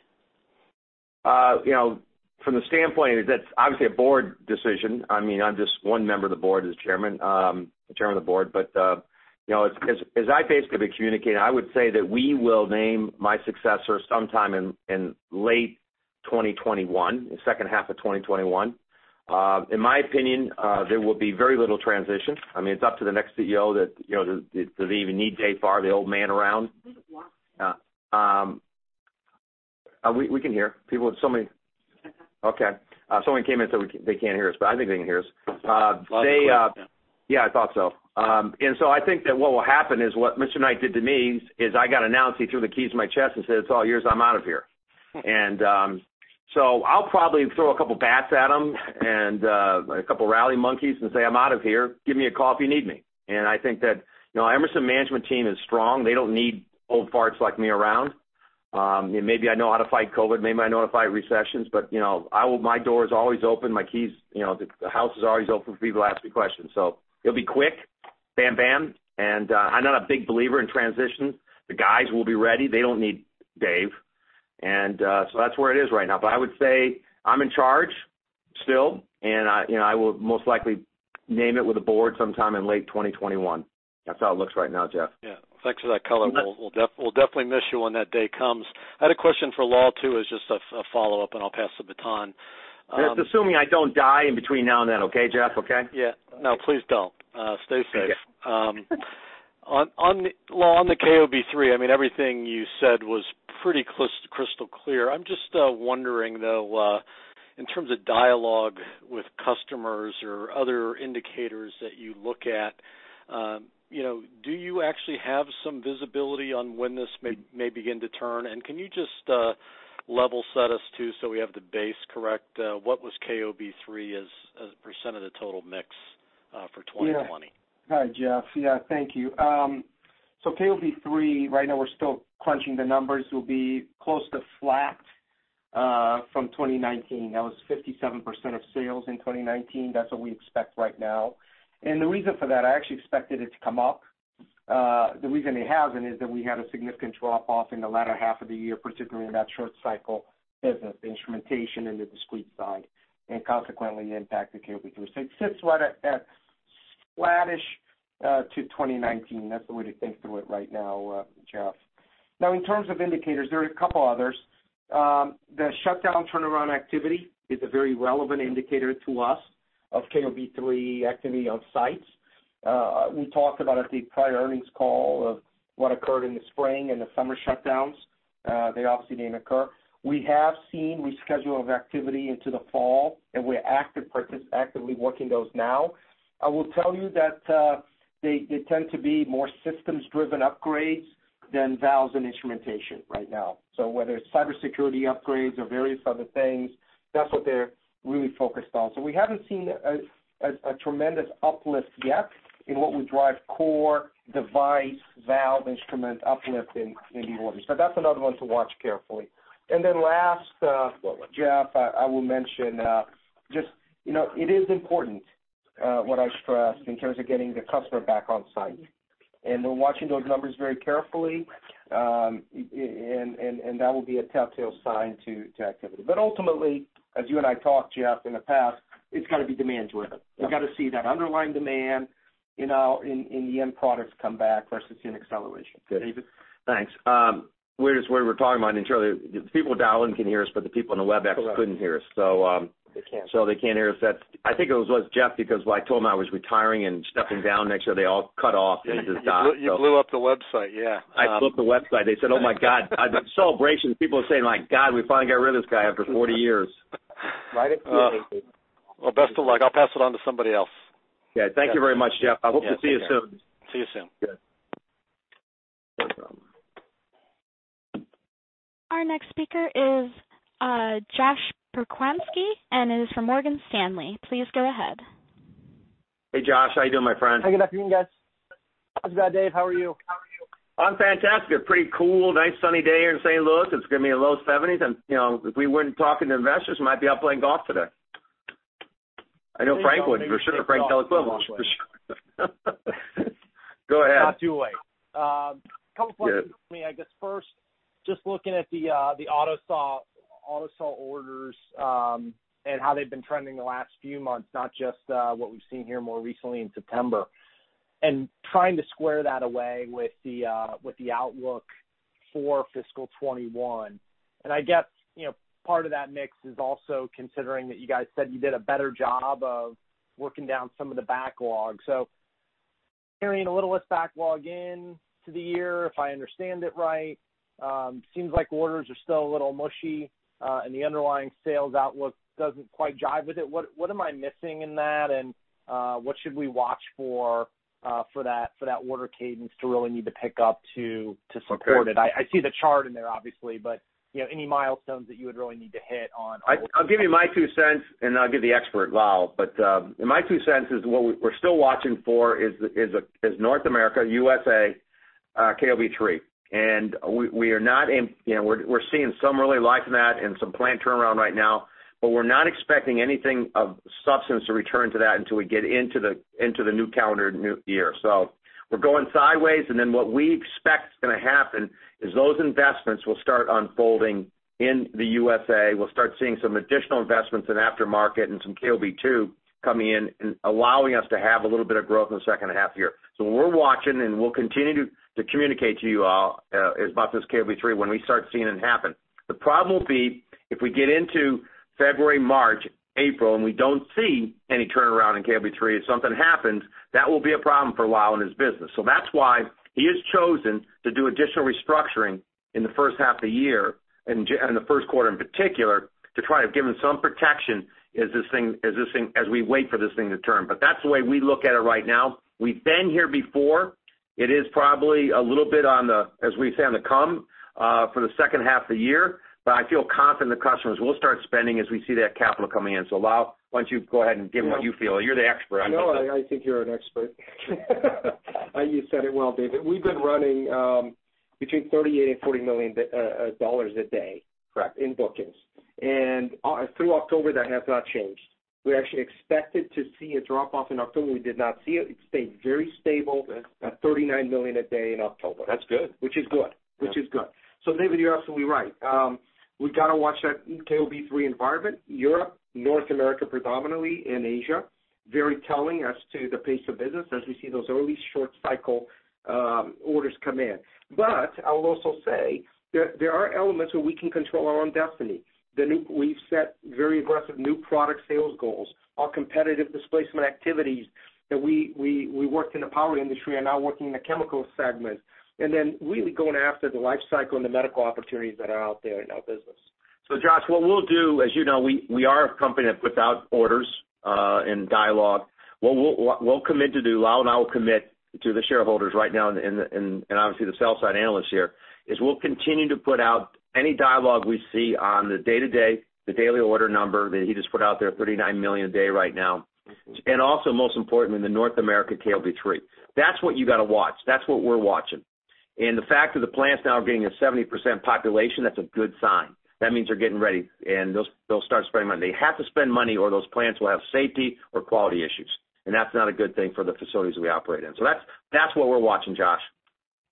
S3: From the standpoint, that's obviously a board decision. I'm just one member of the board as chairman of the board. As I basically communicate, I would say that we will name my successor sometime in late 2021, the second half of 2021. In my opinion, there will be very little transition. It's up to the next CEO that, does he even need J. Farr, the old man around? We can hear. Okay. Someone came in and said they can't hear us, but I think they can hear us. Yeah, I thought so. I think that what will happen is what Mr. Knight did to me is I got announced, he threw the keys in my chest and said, it's all yours, I'm out of here. I'll probably throw a couple of bats at them and a couple of rally monkeys and say, I'm out of here. Give me a call if you need me. I think that Emerson management team is strong. They don't need old farts like me around. Maybe I know how to fight COVID, maybe I know how to fight recessions, but my door is always open. The house is always open for people to ask me questions. It'll be quick, bam. I'm not a big believer in transition. The guys will be ready. They don't need Dave. That's where it is right now. I would say I'm in charge still, and I will most likely name it with the board sometime in late 2021. That's how it looks right now, Jeff.
S6: Yeah. Thanks for that color. We'll definitely miss you when that day comes. I had a question for Lal, too, as just a follow-up, and I'll pass the baton.
S3: That's assuming I don't die in between now and then, okay, Jeff? Okay?
S6: Yeah. No, please don't. Stay safe.
S3: Thank you.
S6: Lal, on the KOB-3, everything you said was pretty crystal clear. I'm just wondering, though, in terms of dialogue with customers or other indicators that you look at, do you actually have some visibility on when this may begin to turn? Can you just level set us, too, so we have the base correct? What was KOB-3 as a percent of the total mix for 2020?
S4: Hi, Jeff. Thank you. KOB-3, right now we're still crunching the numbers, will be close to flat from 2019. That was 57% of sales in 2019. That's what we expect right now. The reason for that, I actually expected it to come up. The reason they haven't is that we had a significant drop-off in the latter half of the year, particularly in that short cycle business, the instrumentation into discrete side, and consequently impacted KOB-3. It sits right at flattish to 2019. That's the way to think through it right now, Jeff. In terms of indicators, there are a couple others. The shutdown turnaround activity is a very relevant indicator to us of KOB-3 activity on sites. We talked about at the prior earnings call of what occurred in the spring and the summer shutdowns. They obviously didn't occur. We have seen reschedule of activity into the fall, and we're actively working those now. I will tell you that they tend to be more systems-driven upgrades than valves and instrumentation right now. Whether it's cybersecurity upgrades or various other things, that's what they're really focused on. We haven't seen a tremendous uplift yet in what would drive core device valve instrument uplift in new orders. That's another one to watch carefully. Last, Jeff, I will mention, it is important, what I stressed, in terms of getting the customer back on site, and we're watching those numbers very carefully, and that will be a telltale sign to activity. Ultimately, as you and I talked, Jeff, in the past, it's got to be demand-driven. We've got to see that underlying demand in the end products come back for us to see an acceleration. David?
S3: Thanks. We were talking about it internally. The people dialing can hear us, but the people on the Webex couldn't hear us.
S4: Correct. They can't.
S3: They can't hear us. I think it was Jeff, because when I told him I was retiring and stepping down next year, they all cut off and just died.
S4: You blew up the website, yeah.
S3: I blew up the website. They said, oh my God. A celebration. People are saying, like, God, we finally got rid of this guy after 40 years.
S4: Right?
S6: Well, best of luck. I'll pass it on to somebody else.
S4: Okay. Thank you very much, Jeff.
S3: Yeah. Take care.
S4: I hope to see you soon.
S6: See you soon.
S4: Good.
S1: Our next speaker is Josh Pokrzywinski, and it is from Morgan Stanley. Please go ahead.
S3: Hey, Josh. How you doing, my friend?
S7: Hey, good afternoon, guys. Not so bad, Dave. How are you?
S3: I'm fantastic. Pretty cool, nice sunny day here in St. Louis. It's going to be a low 70s, and if we weren't talking to investors, might be out playing golf today. I know Frank would, for sure. Frank Dellaquila will. For sure. Go ahead.
S7: Not too late.
S3: Good.
S7: A couple of questions for me. I guess first, just looking at the Auto Sol orders, and how they've been trending the last few months, not just what we've seen here more recently in September. Trying to square that away with the outlook for fiscal 2021. I guess, part of that mix is also considering that you guys said you did a better job of working down some of the backlog. Carrying a little less backlog into the year, if I understand it right. Seems like orders are still a little mushy, and the underlying sales outlook doesn't quite jive with it. What am I missing in that, and what should we watch for that order cadence to really need to pick up to support it?
S3: Okay.
S7: I see the chart in there, obviously, but any milestones that you would really need to hit on orders?
S3: I'll give you my two cents, and then I'll give the expert, Lal. My two cents is what we're still watching for is North America, USA, KOB-3. We're seeing some early life in that and some plant turnaround right now, but we're not expecting anything of substance to return to that until we get into the new calendar new year. We're going sideways, and then what we expect is going to happen is those investments will start unfolding in the USA. We'll start seeing some additional investments in aftermarket and some KOB-2 coming in and allowing us to have a little bit of growth in the second half of the year. We're watching, and we'll continue to communicate to you all about this KOB-3 when we start seeing it happen. The problem will be if we get into February, March, April, and we don't see any turnaround in KOB-3, if something happens, that will be a problem for Lal and his business. That's why he has chosen to do additional restructuring in the first half of the year and the first quarter in particular, to try to give him some protection as we wait for this thing to turn. That's the way we look at it right now. We've been here before. It is probably a little bit, as we say, on the come for the second half of the year. I feel confident the customers will start spending as we see that capital coming in. Lal, why don't you go ahead and give what you feel? You're the expert.
S4: No, I think you're an expert. You said it well, David. We've been running between $38 and $40 million a day-
S3: Correct....
S4: in bookings. Through October, that has not changed. We actually expected to see a drop-off in October. We did not see it. It stayed very stable at $39 million a day in October.
S3: That's good.
S4: Which is good. David, you're absolutely right. We've got to watch that KOB-3 environment. Europe, North America predominantly, and Asia. Very telling as to the pace of business as we see those early short cycle orders come in. I will also say that there are elements where we can control our own destiny. We've set very aggressive new product sales goals. Our competitive displacement activities that we worked in the power industry are now working in the chemical segment. Really going after the life cycle and the medical opportunities that are out there in our business.
S3: Josh, what we'll do, as you know, we are a company that puts out orders and dialogue. What we'll commit to do, Lal and I will commit to the shareholders right now, and obviously the sell side analysts here, is we'll continue to put out any dialogue we see on the day-to-day, the daily order number that he just put out there, $39 million a day right now. Also most importantly, the North America KOB-3. That's what you got to watch. That's what we're watching. The fact that the plants now are getting a 70% population, that's a good sign. That means they're getting ready, and they'll start spending money. They have to spend money, or those plants will have safety or quality issues. That's not a good thing for the facilities we operate in. That's what we're watching, Josh.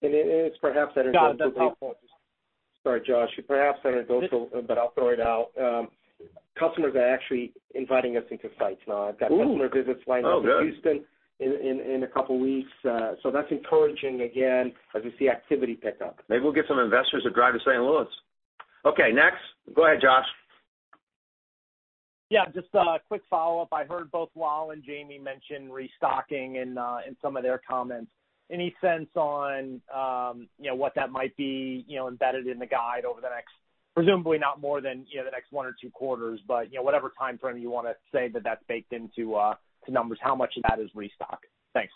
S4: It is perhaps anecdotal.
S7: Got it. That's helpful.
S4: Sorry, Josh. Perhaps anecdotal, but I'll throw it out. Customers are actually inviting us into sites now.
S3: Oh, good.
S4: I've got customer visits lined up in Houston in a couple of weeks. That's encouraging, again, as we see activity pick up.
S3: Maybe we'll get some investors to drive to St. Louis. Okay, next. Go ahead, Josh.
S7: Yeah. Just a quick follow-up. I heard both Lal and Jamie mention restocking in some of their comments. Any sense on what that might be embedded in the guide over the next, presumably not more than the next one or two quarters, but whatever timeframe you want to say that that's baked into numbers, how much of that is restock? Thanks.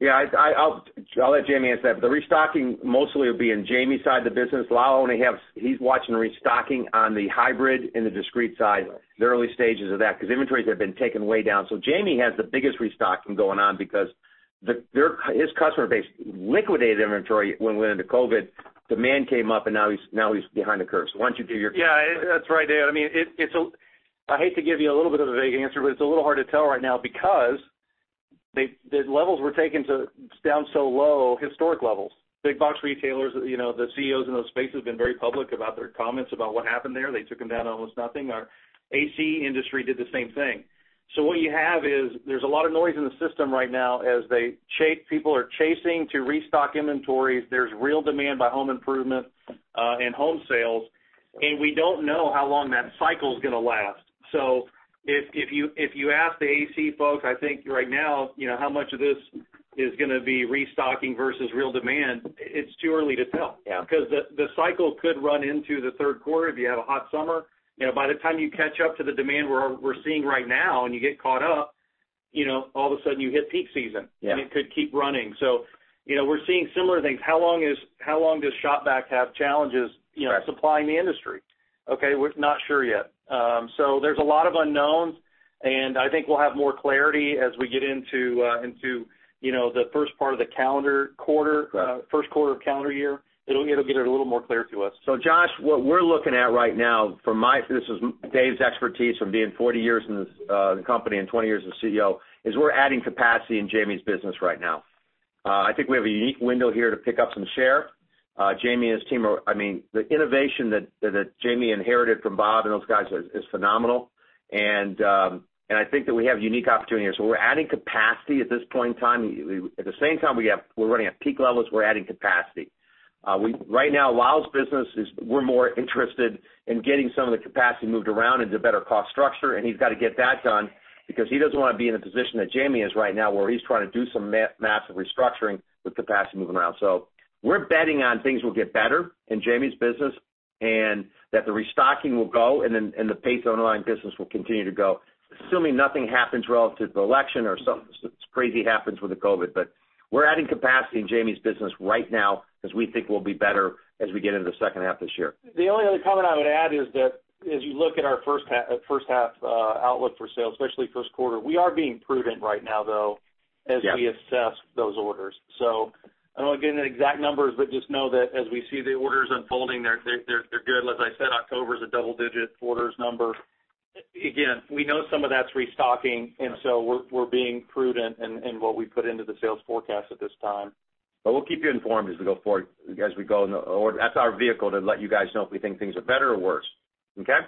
S3: Yeah, I'll let Jamie answer that. The restocking mostly will be in Jamie's side of the business. Lal, he's watching restocking on the hybrid and the discrete side, the early stages of that, because inventories have been taken way down. Jamie has the biggest restocking going on because his customer base liquidated inventory when we went into COVID. Demand came up and now he's behind the curve. Why don't you do your-
S5: Yeah, that's right, Dave. I hate to give you a little bit of a vague answer, but it's a little hard to tell right now because the levels were taken down so low, historic levels. Big box retailers, the CEOs in those spaces have been very public about their comments about what happened there. They took them down to almost nothing. Our AC industry did the same thing. What you have is, there's a lot of noise in the system right now as people are chasing to restock inventories. There's real demand by home improvement, and home sales, and we don't know how long that cycle's going to last. If you ask the AC folks, I think right now, how much of this is going to be restocking versus real demand, it's too early to tell.
S3: Yeah.
S5: The cycle could run into the third quarter if you have a hot summer. By the time you catch up to the demand we're seeing right now and you get caught up, all of a sudden you hit peak season.
S3: Yeah.
S5: It could keep running. We're seeing similar things. How long does Shop-Vac have challenges-
S3: Right....
S5: supplying the industry? Okay. We're not sure yet. There's a lot of unknowns, and I think we'll have more clarity as we get into the first part of the calendar quarter, first quarter of calendar year. It'll get a little more clear to us.
S3: Josh, what we're looking at right now from this is Dave's expertise from being 40 years in this company and 20 years as CEO, is we're adding capacity in Jamie's business right now. I think we have a unique window here to pick up some share. Jamie and his team The innovation that Jamie inherited from Bob and those guys is phenomenal, and I think that we have a unique opportunity here. We're adding capacity at this point in time. At the same time, we're running at peak levels, we're adding capacity. Right now, Lal's business is we're more interested in getting some of the capacity moved around into better cost structure, and he's got to get that done because he doesn't want to be in the position that Jamie is right now, where he's trying to do some massive restructuring with capacity moving around. We're betting on things will get better in Jamie's business, and that the restocking will go and the pace of online business will continue to go, assuming nothing happens relative to the election or something crazy happens with the COVID. We're adding capacity in Jamie's business right now because we think we'll be better as we get into the second half of this year.
S5: The only other comment I would add is that as you look at our first half outlook for sales, especially first quarter, we are being prudent right now-
S3: Yeah....
S5: as we assess those orders. I'm not giving the exact numbers, but just know that as we see the orders unfolding, they're good. Like I said, October is a double-digit orders number. Again, we know some of that's restocking, and so we're being prudent in what we put into the sales forecast at this time.
S3: We'll keep you informed as we go forward. That's our vehicle to let you guys know if we think things are better or worse. Okay?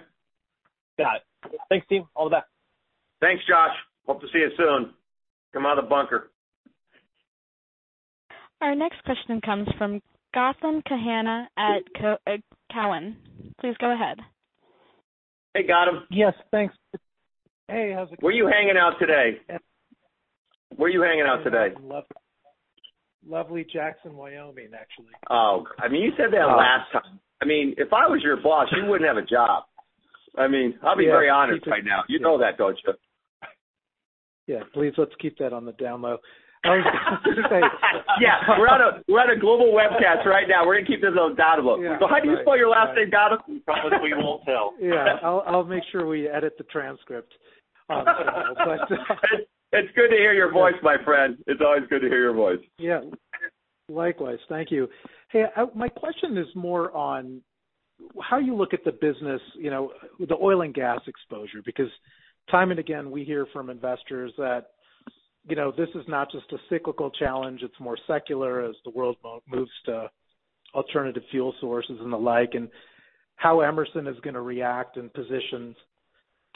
S7: Got it. Thanks, team. All the best.
S3: Thanks, Josh. Hope to see you soon. Come out of the bunker.
S1: Our next question comes from Gautam Khanna at Cowen. Please go ahead.
S3: Hey, Gautam.
S8: Yes, thanks. Hey, how's it going?
S3: Where you hanging out today?
S8: Lovely Jackson, Wyoming, actually.
S3: Oh, I mean, you said that last time. If I was your boss, you wouldn't have a job. I'll be very honest right now. You know that, don't you?
S8: Yeah, please let's keep that on the down low.
S3: Yeah. We're on a global webcast right now. We're going to keep this on the down low.
S8: Yeah.
S3: How do you spell your last name, Gautam? Promise we won't tell.
S8: Yeah. I'll make sure we edit the transcript.
S3: It's good to hear your voice, my friend. It's always good to hear your voice.
S8: Yeah. Likewise. Thank you. Hey, my question is more on how you look at the business, the oil and gas exposure. Time and again, we hear from investors that this is not just a cyclical challenge, it's more secular as the world moves to alternative fuel sources and the like, and how Emerson is going to react and position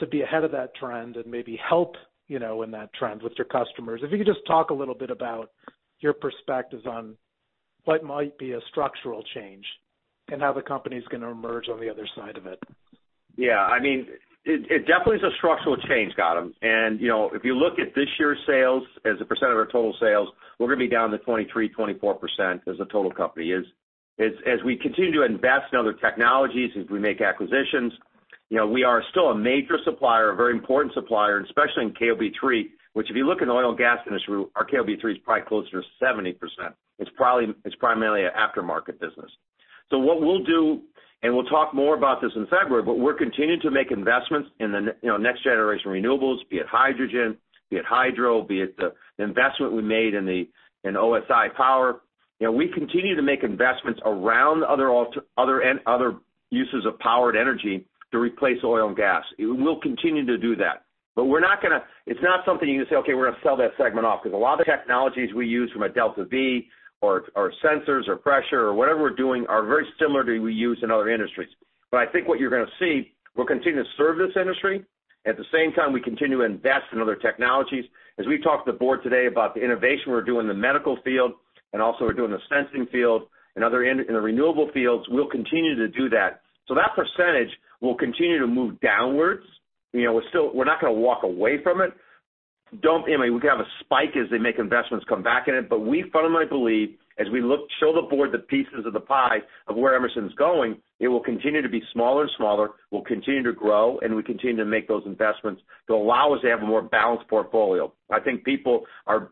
S8: to be ahead of that trend and maybe help in that trend with your customers. If you could just talk a little bit about your perspectives on what might be a structural change and how the company's going to emerge on the other side of it?
S3: Yeah. It definitely is a structural change, Gautam Khanna. If you look at this year's sales as a percent of our total sales, we're going to be down to 23%-24% as a total company. As we continue to invest in other technologies, as we make acquisitions, we are still a major supplier, a very important supplier, and especially in KOB-3, which if you look in the oil and gas industry, our KOB-3 is probably closer to 70%. It's primarily an aftermarket business. What we'll do, and we'll talk more about this in February, but we're continuing to make investments in the next generation renewables, be it hydrogen, be it hydro, be it the investment we made in OSI Inc. We continue to make investments around other uses of powered energy to replace oil and gas. We'll continue to do that. It's not something you can say, okay, we're going to sell that segment off, because a lot of the technologies we use from a DeltaV or sensors or pressure or whatever we're doing are very similar to what we use in other industries. I think what you're going to see, we'll continue to serve this industry. At the same time, we continue to invest in other technologies. As we talked to the board today about the innovation we're doing in the medical field and also we're doing in the sensing field and in the renewable fields, we'll continue to do that. That percentage will continue to move downwards. We're not going to walk away from it. We can have a spike as they make investments come back in it. We fundamentally believe as we show the board the pieces of the pie of where Emerson's going, it will continue to be smaller and smaller. We'll continue to grow, and we continue to make those investments to allow us to have a more balanced portfolio. I think people are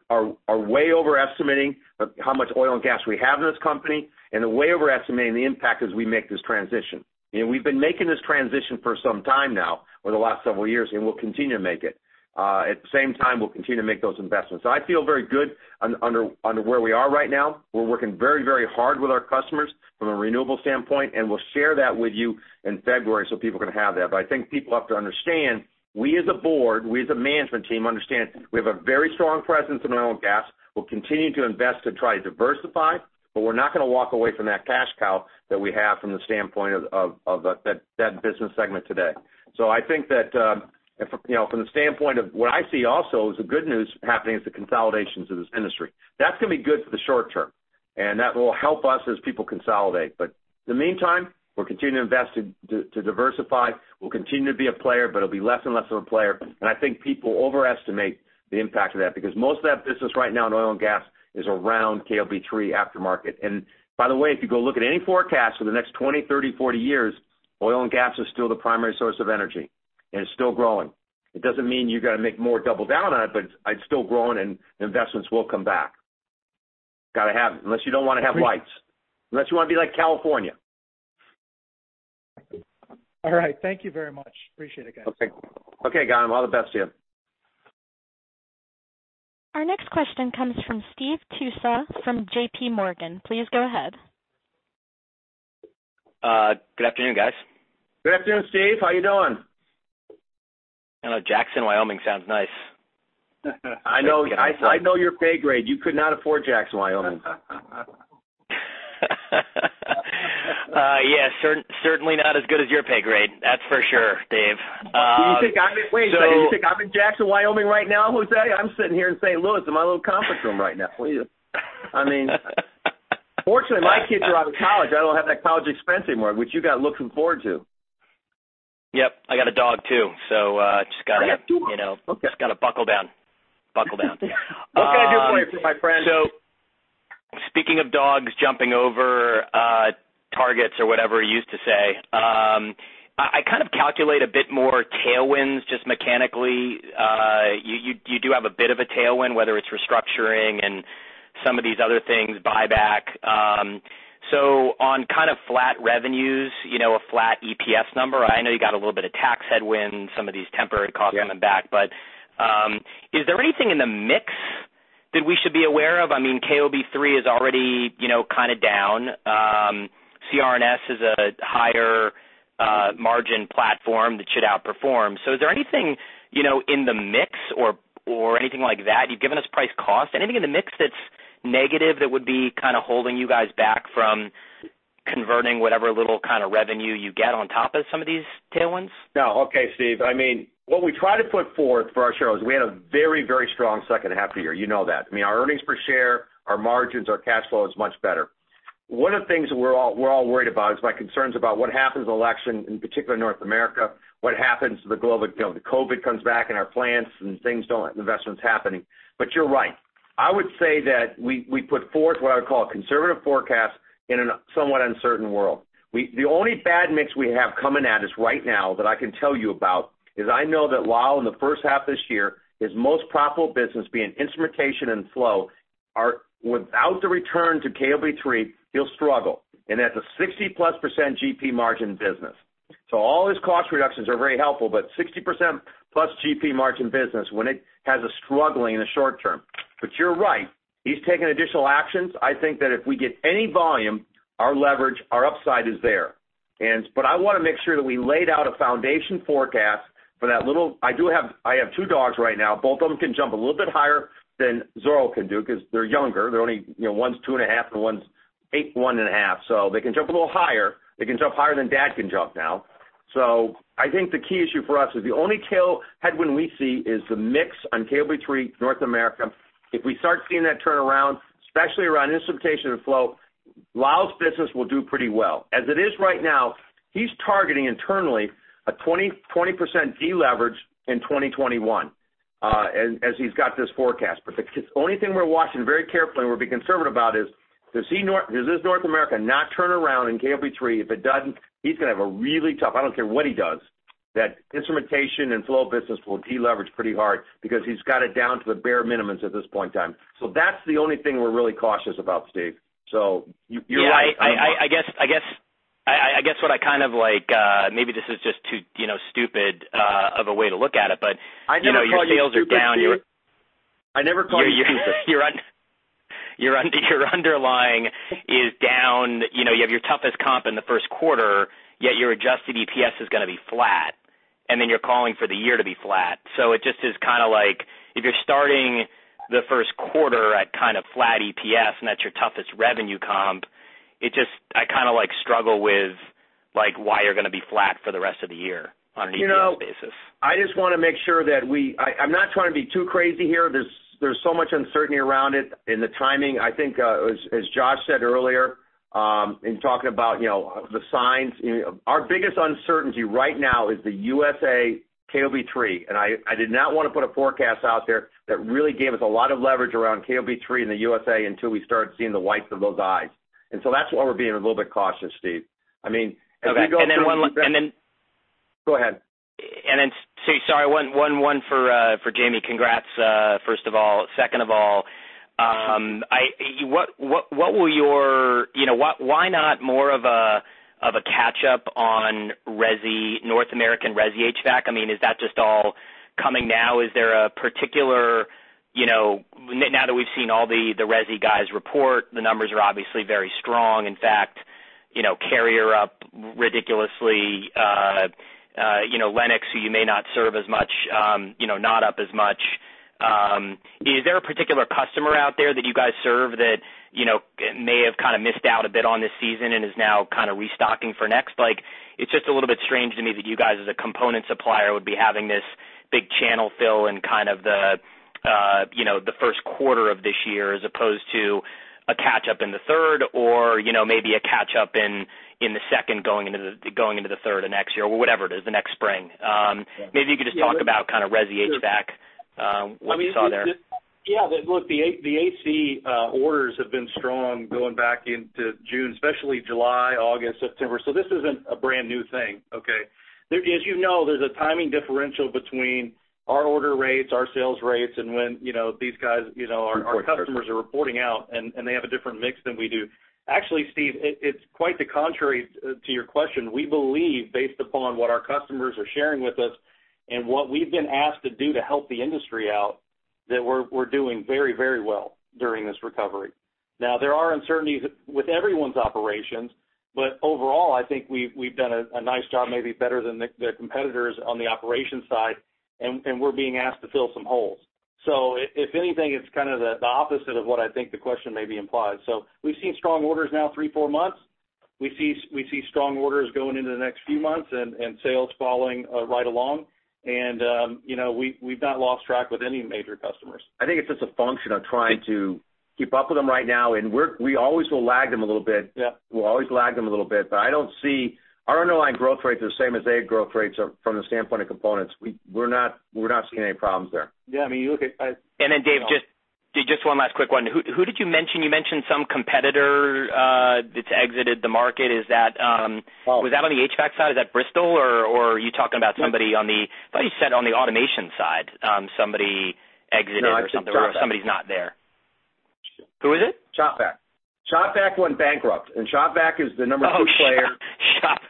S3: way overestimating how much oil and gas we have in this company and are way overestimating the impact as we make this transition. We've been making this transition for some time now, over the last several years, and we'll continue to make it. At the same time, we'll continue to make those investments. I feel very good under where we are right now. We're working very, very hard with our customers from a renewable standpoint, and we'll share that with you in February so people can have that. I think people have to understand, we as a board, we as a management team, understand we have a very strong presence in oil and gas. We'll continue to invest to try to diversify, but we're not going to walk away from that cash cow that we have from the standpoint of that business segment today. I think that from the standpoint of what I see also is the good news happening is the consolidations of this industry. That's going to be good for the short term, and that will help us as people consolidate. In the meantime, we'll continue to invest to diversify. We'll continue to be a player, but it'll be less and less of a player. I think people overestimate the impact of that because most of that business right now in oil and gas is around KOB-3 aftermarket. By the way, if you go look at any forecast for the next 20, 30, 40 years, oil and gas is still the primary source of energy, and it's still growing. It doesn't mean you're going to make more double down on it. It's still growing and investments will come back. Got to have it, unless you don't want to have lights. Unless you want to be like California.
S8: All right. Thank you very much. Appreciate it, guys.
S3: Okay. Okay, got them. All the best to you.
S1: Our next question comes from Steve Tusa from JPMorgan. Please go ahead.
S9: Good afternoon, guys.
S3: Good afternoon, Steve. How are you doing?
S9: I know Jackson, Wyoming sounds nice.
S3: I know your pay grade. You could not afford Jackson, Wyoming.
S9: Yeah. Certainly not as good as your pay grade, that's for sure, Dave.
S3: Wait a second. You think I'm in Jackson, Wyoming right now, Jose? I'm sitting here in St. Louis in my little conference room right now. I mean, fortunately, my kids are out of college. I don't have that college expense anymore, which you got looking forward to.
S9: Yep. I got a dog, too-
S3: I got two....
S9: so just got to buckle down. Buckle down.
S3: That's going to do for you, my friend.
S9: Speaking of dogs jumping over targets or whatever you used to say, I kind of calculate a bit more tailwinds just mechanically. You do have a bit of a tailwind, whether it's restructuring and some of these other things, buyback. On kind of flat revenues, a flat EPS number, I know you got a little bit of tax headwind, some of these temporary costs on the back. Is there anything in the mix that we should be aware of? I mean, KOB-3 is already kind of down. CRNS is a higher margin platform that should outperform. Is there anything in the mix or anything like that? You've given us price cost. Anything in the mix that's negative that would be kind of holding you guys back from converting whatever little kind of revenue you get on top of some of these tailwinds?
S3: No. Okay, Steve. I mean, what we try to put forth for our shareholders, we had a very, very strong second half of the year. You know that. I mean, our earnings per share, our margins, our cash flow is much better. One of the things we're all worried about is my concerns about what happens with election, in particular North America, what happens to the global. The COVID-19 comes back in our plants and things don't have investments happening. You're right. I would say that we put forth what I would call a conservative forecast in a somewhat uncertain world. The only bad mix we have coming at us right now that I can tell you about is I know that Lal, in the first half this year, his most profitable business being instrumentation and flow, without the return to KOB-3, he'll struggle. That's a 60%+ GP margin business. All his cost reductions are very helpful, but 60% plus GP margin business when it has a struggling in the short term. You're right. He's taken additional actions. I think that if we get any volume, our leverage, our upside is there. I want to make sure that we laid out a foundation forecast for that little I have two dogs right now. Both of them can jump a little bit higher than Zorro can do because they're younger. One's two and a half, and one's eight one and a half. They can jump a little higher. They can jump higher than dad can jump now. I think the key issue for us is the only tail headwind we see is the mix on KOB-3 North America. If we start seeing that turnaround, especially around instrumentation and flow, Lal's business will do pretty well. As it is right now, he's targeting internally a 20% deleverage in 2021 as he's got this forecast. The only thing we're watching very carefully and we'll be conservative about is, does this North America not turn around in KOB-3? If it doesn't, he's going to have a really tough I don't care what he does. That instrumentation and flow business will deleverage pretty hard because he's got it down to the bare minimums at this point in time. That's the only thing we're really cautious about, Steve. You're right.
S9: Yeah. I guess what I kind of like, maybe this is just too stupid of a way to look at it.
S3: I never call you stupid, Steve.
S9: Your underlying is down. You have your toughest comp in the first quarter, yet your Adjusted EPS is going to be flat, you're calling for the year to be flat. It just is kind of like if you're starting the first quarter at kind of flat EPS and that's your toughest revenue comp, I kind of struggle with why you're going to be flat for the rest of the year on an EPS basis.
S3: I just want to make sure that I'm not trying to be too crazy here. There's so much uncertainty around it and the timing. I think as Josh said earlier talking about the signs. Our biggest uncertainty right now is the U.S.A. KOB-3. I did not want to put a forecast out there that really gave us a lot of leverage around KOB-3 in the U.S.A. until we started seeing the whites of those eyes. That's why we're being a little bit cautious, Steve.
S9: Then one-
S3: Go ahead.
S9: Then, sorry, one for Jamie. Congrats, first of all. Second of all, why not more of a catch up on North American resi HVAC? I mean, is that just all coming now? Is there a particular, now that we've seen all the resi guys report, the numbers are obviously very strong. In fact, Carrier up ridiculously. Lennox, who you may not serve as much, not up as much. Is there a particular customer out there that you guys serve that may have kind of missed out a bit on this season and is now kind of restocking for next? It's just a little bit strange to me that you guys, as a component supplier, would be having this big channel fill in kind of the first quarter of this year as opposed to a catch-up in the third, or maybe a catch-up in the second going into the third of next year or whatever it is, the next spring. Maybe you could just talk about resi HVAC, what you saw there.
S5: Yeah. Look, the AC orders have been strong going back into June, especially July, August, September. This isn't a brand new thing, okay? As you know, there's a timing differential between our order rates, our sales rates, and when these guys, our customers are reporting out, and they have a different mix than we do. Actually, Steve, it's quite the contrary to your question. We believe, based upon what our customers are sharing with us and what we've been asked to do to help the industry out, that we're doing very well during this recovery. Now, there are uncertainties with everyone's operations, but overall, I think we've done a nice job, maybe better than their competitors on the operations side, and we're being asked to fill some holes. If anything, it's kind of the opposite of what I think the question maybe implies. We've seen strong orders now three, four months. We see strong orders going into the next few months and sales following right along. We've not lost track with any major customers.
S3: I think it's just a function of trying to keep up with them right now, and we always will lag them a little bit.
S5: Yeah.
S3: We'll always lag them a little bit. Our underlying growth rates are the same as their growth rates are from the standpoint of components. We're not seeing any problems there.
S5: Yeah, I mean-
S9: Dave, just one last quick one. Who did you mention? You mentioned some competitor that's exited the market. Was that on the HVAC side? Is that Bristol, or are you talking about somebody on the automation side, somebody exited or something, or somebody's not there?
S3: No, I said Shop-Vac.
S9: Who is it?
S3: Shop-Vac. Shop-Vac went bankrupt, and Shop-Vac is the number two player.
S9: Oh Shop-Vac.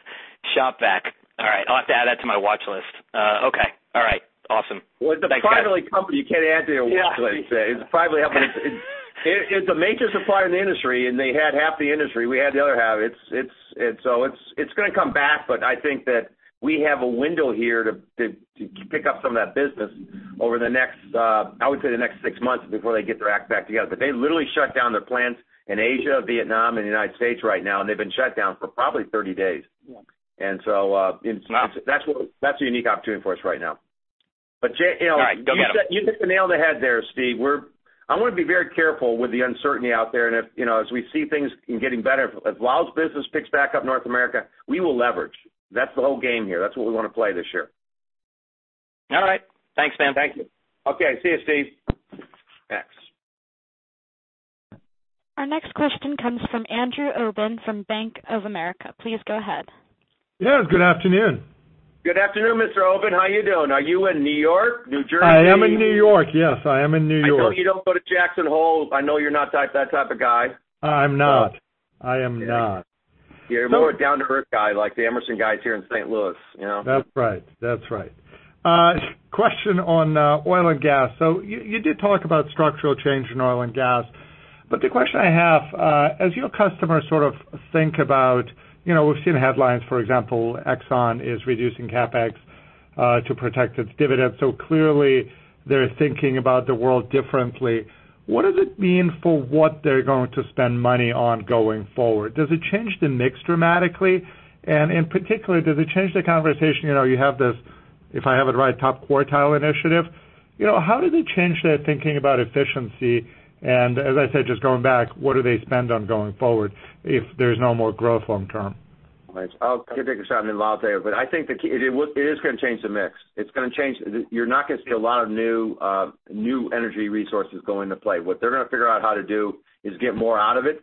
S9: All right. I'll have to add that to my watch list. Okay. All right. Awesome. Thanks, guys.
S3: Well, it's a private company. You can't add it to your watch list.
S9: Yeah.
S3: It's a major supplier in the industry, and they had half the industry. We had the other half. It's going to come back, but I think that we have a window here to pick up some of that business over the next, I would say, the next six months before they get their act back together. They literally shut down their plants in Asia, Vietnam, and the U.S. right now, and they've been shut down for probably 30 days. That's a unique opportunity for us right now.
S9: All right. Go get them.
S3: You nailed the head there, Steve. I want to be very careful with the uncertainty out there and as we see things getting better. If Lal's business picks back up North America, we will leverage. That's the whole game here. That's what we want to play this year.
S9: All right. Thanks, man.
S3: Thank you. Okay. See you, Steve.
S1: Our next question comes from Andrew Obin from Bank of America. Please go ahead.
S10: Yes, good afternoon.
S3: Good afternoon, Mr. Obin. How you doing? Are you in New York, New Jersey?
S10: I am in New York. Yes, I am in New York.
S3: I hope you don't go to Jackson Hole. I know you're not that type of guy.
S10: I'm not.
S3: You're more a down-to-earth guy, like the Emerson guys here in St. Louis.
S10: That's right. Question on oil and gas. You did talk about structural change in oil and gas, but the question I have, as your customers sort of think about, we've seen headlines, for example, Exxon is reducing CapEx to protect its dividends. Clearly, they're thinking about the world differently. What does it mean for what they're going to spend money on going forward? Does it change the mix dramatically? In particular, does it change the conversation? You have this, if I have it right, top quartile initiative. How does it change their thinking about efficiency and, as I said, just going back, what do they spend on going forward if there's no more growth long term?
S3: I'll take a shot. I mean, Lal will too. I think it is going to change the mix. You're not going to see a lot of new energy resources go into play. What they're going to figure out how to do is get more out of it.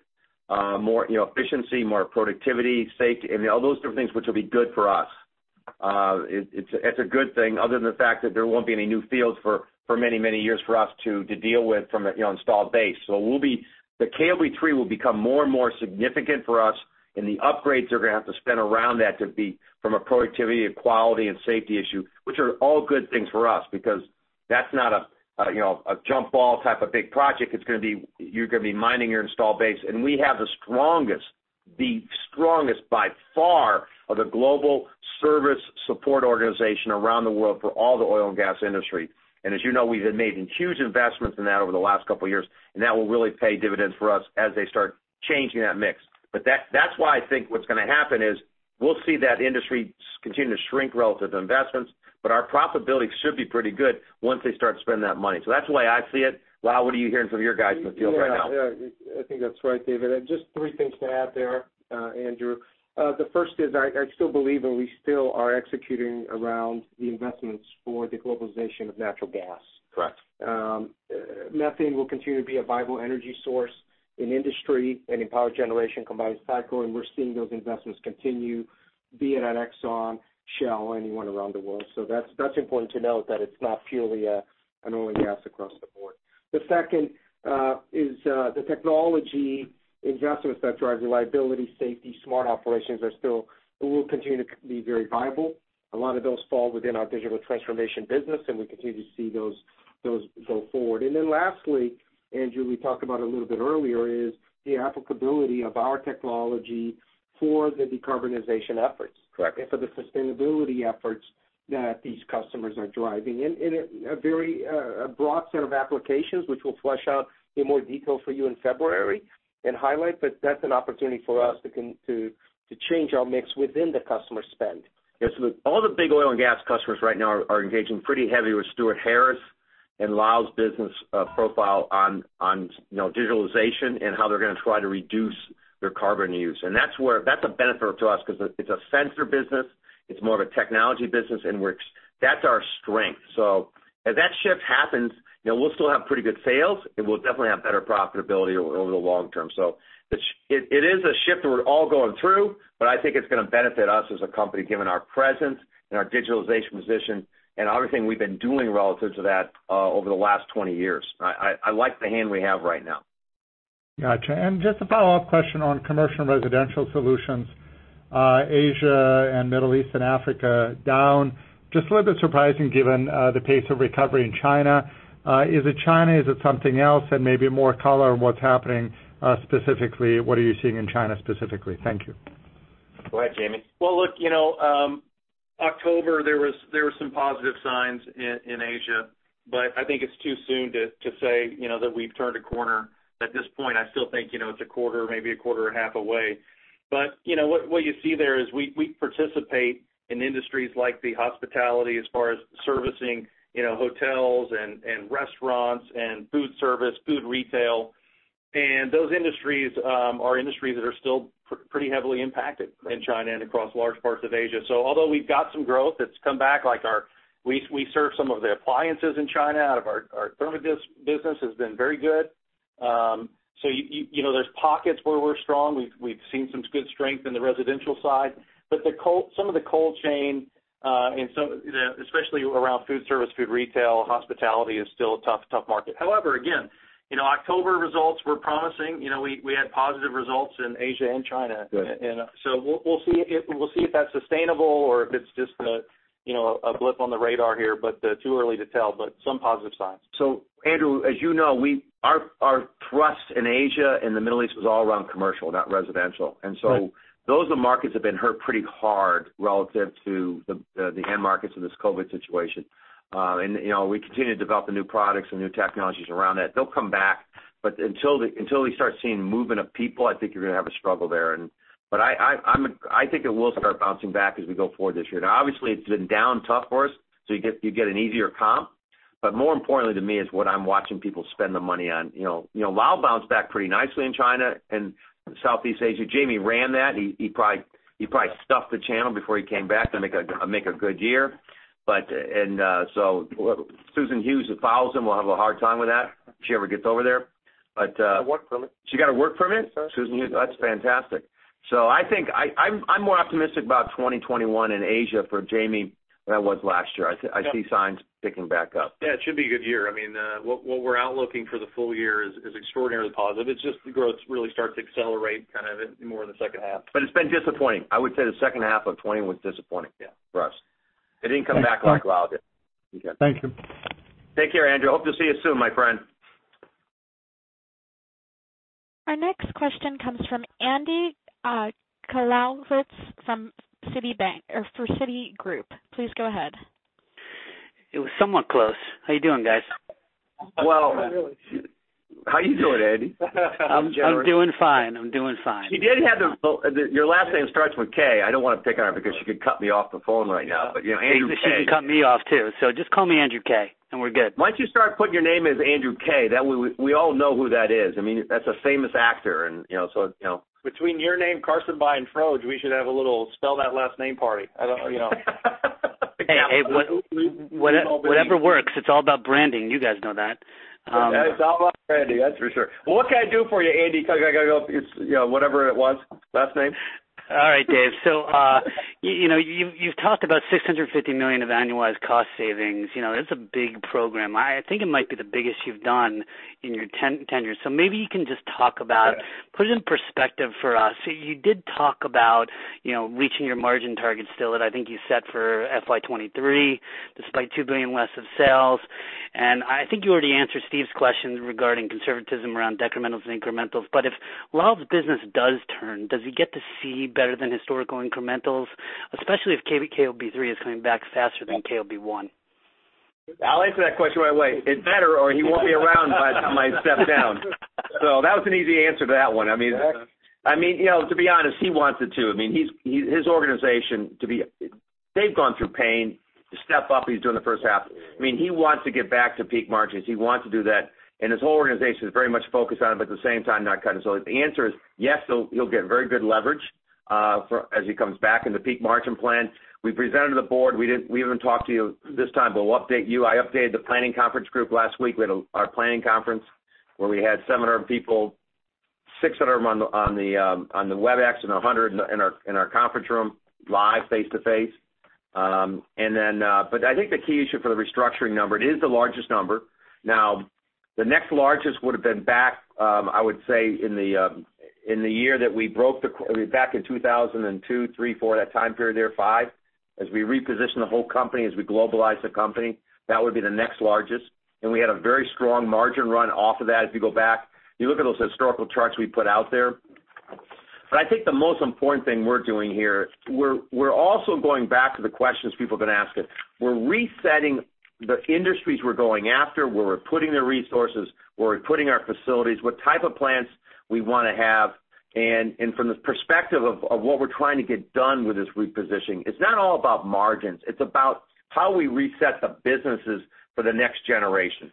S3: More efficiency, more productivity, safety. I mean, all those different things which will be good for us. It's a good thing other than the fact that there won't be any new fields for many years for us to deal with from an installed base. The KOB-3 will become more and more significant for us, and the upgrades they're going to have to spend around that to be from a productivity, a quality, and safety issue, which are all good things for us because that's not a jump ball type of big project. You're going to be mining your install base, and we have the strongest by far of the global service support organization around the world for all the oil and gas industry. As you know, we have made huge investments in that over the last couple of years, and that will really pay dividends for us as they start changing that mix. That's why I think what's going to happen is. We'll see that industry continue to shrink relative to investments, but our profitability should be pretty good once they start spending that money. That's the way I see it. Lal, what are you hearing from your guys in the field right now?
S4: Yeah. I think that's right, David. Just three things to add there, Andrew. The first is I still believe, and we still are executing around the investments for the globalization of natural gas.
S3: Correct.
S4: Methane will continue to be a viable energy source in industry and in power generation, combined cycle, and we're seeing those investments continue, be it at Exxon, Shell, anyone around the world. That's important to note that it's not purely an oil and gas across the board. The second is the technology investments that drive reliability, safety, smart operations will continue to be very viable. A lot of those fall within our digital transformation business, and we continue to see those go forward. Lastly, Andrew, we talked about a little bit earlier is the applicability of our technology for the decarbonization efforts.
S3: Correct.
S4: For the sustainability efforts that these customers are driving in a very broad set of applications, which we'll flesh out in more detail for you in February and highlight. That's an opportunity for us to change our mix within the customer spend.
S3: Yes. All the big oil and gas customers right now are engaging pretty heavy with Stuart Harris and Lal's business profile on digitalization and how they're going to try to reduce their carbon use. That's a benefit to us because it's a sensor business, it's more of a technology business, and that's our strength. As that shift happens, we'll still have pretty good sales, and we'll definitely have better profitability over the long term. It is a shift that we're all going through, but I think it's going to benefit us as a company, given our presence and our digitalization position and everything we've been doing relative to that over the last 20 years. I like the hand we have right now.
S10: Got you. Just a follow-up question on Commercial & Residential Solutions. Asia and Middle East and Africa down just a little bit surprising given the pace of recovery in China. Is it China? Is it something else? Maybe more color on what's happening specifically. What are you seeing in China specifically? Thank you.
S3: Go ahead, Jamie.
S5: Well, look, October there were some positive signs in Asia. I think it's too soon to say that we've turned a corner at this point. I still think it's a quarter, maybe a quarter and a half away. What you see there is we participate in industries like the hospitality as far as servicing hotels and restaurants and food service, food retail, and those industries are industries that are still pretty heavily impacted in China and across large parts of Asia. Although we've got some growth that's come back, like we serve some of the appliances in China out of our Therm-O-Disc business has been very good. There's pockets where we're strong. We've seen some good strength in the residential side. Some of the cold chain and especially around food service, food retail, hospitality is still a tough market. However, again, October results were promising. We had positive results in Asia and China.
S3: Good.
S5: We'll see if that's sustainable or if it's just a blip on the radar here, but too early to tell, but some positive signs.
S3: Andrew, as you know, our thrust in Asia and the Middle East was all around commercial, not residential.
S10: Right.
S3: Those are the markets that have been hurt pretty hard relative to the end markets of this COVID situation. We continue to develop the new products and new technologies around that. They'll come back, until we start seeing movement of people, I think you're going to have a struggle there. I think it will start bouncing back as we go forward this year. Obviously, it's been down tough for us, so you get an easier comp. More importantly to me is what I'm watching people spend the money on. Lal bounced back pretty nicely in China and Southeast Asia. Jamie ran that. He probably stuffed the channel before he came back to make a good year. Susan Hughes, who follows him, will have a hard time with that if she ever gets over there.
S5: Got a work permit.
S3: She got a work permit?
S5: Yes.
S3: That's fantastic. I think I'm more optimistic about 2021 in Asia for Jamie than I was last year.
S5: Yep.
S3: I see signs picking back up.
S5: Yeah, it should be a good year. What we're out looking for the full year is extraordinarily positive. It's just the growth really starts to accelerate kind of more in the second half.
S3: It's been disappointing. I would say the second half of 2020 was disappointing-
S5: Yeah...
S3: for us. It didn't come back like Lal did.
S10: Thank you.
S3: Take care, Andrew. Hope to see you soon, my friend.
S1: Our next question comes from Andy Kaplowitz for Citigroup. Please go ahead.
S11: It was somewhat close. How you doing, guys?
S3: Well, how you doing, Andy?
S11: I'm doing fine.
S3: Your last name starts with K. I don't want to pick on it because she could cut me off the phone right now, but Andy K.
S11: She can cut me off, too. Just call me Andrew K., and we're good.
S3: Once you start putting your name as Andrew K., we all know who that is. That's a famous actor, and so you know.
S5: Between your name, Karsanbhai and Froedge, we should have a little spell that last name party.
S11: Hey, whatever works. It's all about branding. You guys know that.
S3: It's all about branding, that's for sure. Well, what can I do for you, Andy, Kaplowitz, whatever it was, last name?
S11: Dave. You've talked about $650 million of annualized cost savings. That's a big program. I think it might be the biggest you've done in your tenure. Put it in perspective for us. You did talk about reaching your margin targets still that I think you set for FY 2023, despite $2 billion less of sales. I think you already answered Steve's questions regarding conservatism around decrementals and incrementals. If Lal's business does turn, does he get to see better than historical incrementals, especially if KOB-3 is coming back faster than KOB-1?
S3: I'll answer that question right away. It's better or he won't be around by the time I step down. That was an easy answer to that one. To be honest, he wants it, too. His organization, they've gone through pain to step up. He's doing the first half. He wants to get back to peak margins. He wants to do that, and his whole organization is very much focused on it, but at the same time, not cutting. The answer is yes, he'll get very good leverage as he comes back in the peak margin plan. We presented to the board. We haven't talked to you this time, but we'll update you. I updated the planning conference group last week. We had our planning conference where we had 700 people, 600 of them on the Webex, and 100 in our conference room live face-to-face. I think the key issue for the restructuring number, it is the largest number. Now, the next largest would've been back, I would say, in the year that we broke the back in 2002, 2003, 2004, that time period there, 2005, as we reposition the whole company, as we globalize the company. That would be the next largest. We had a very strong margin run off of that as we go back. You look at those historical charts we put out there. I think the most important thing we're doing here, we're also going back to the questions people have been asking. We're resetting the industries we're going after, where we're putting the resources, where we're putting our facilities, what type of plants we want to have, and from the perspective of what we're trying to get done with this repositioning. It's not all about margins. It's about how we reset the businesses for the next generation.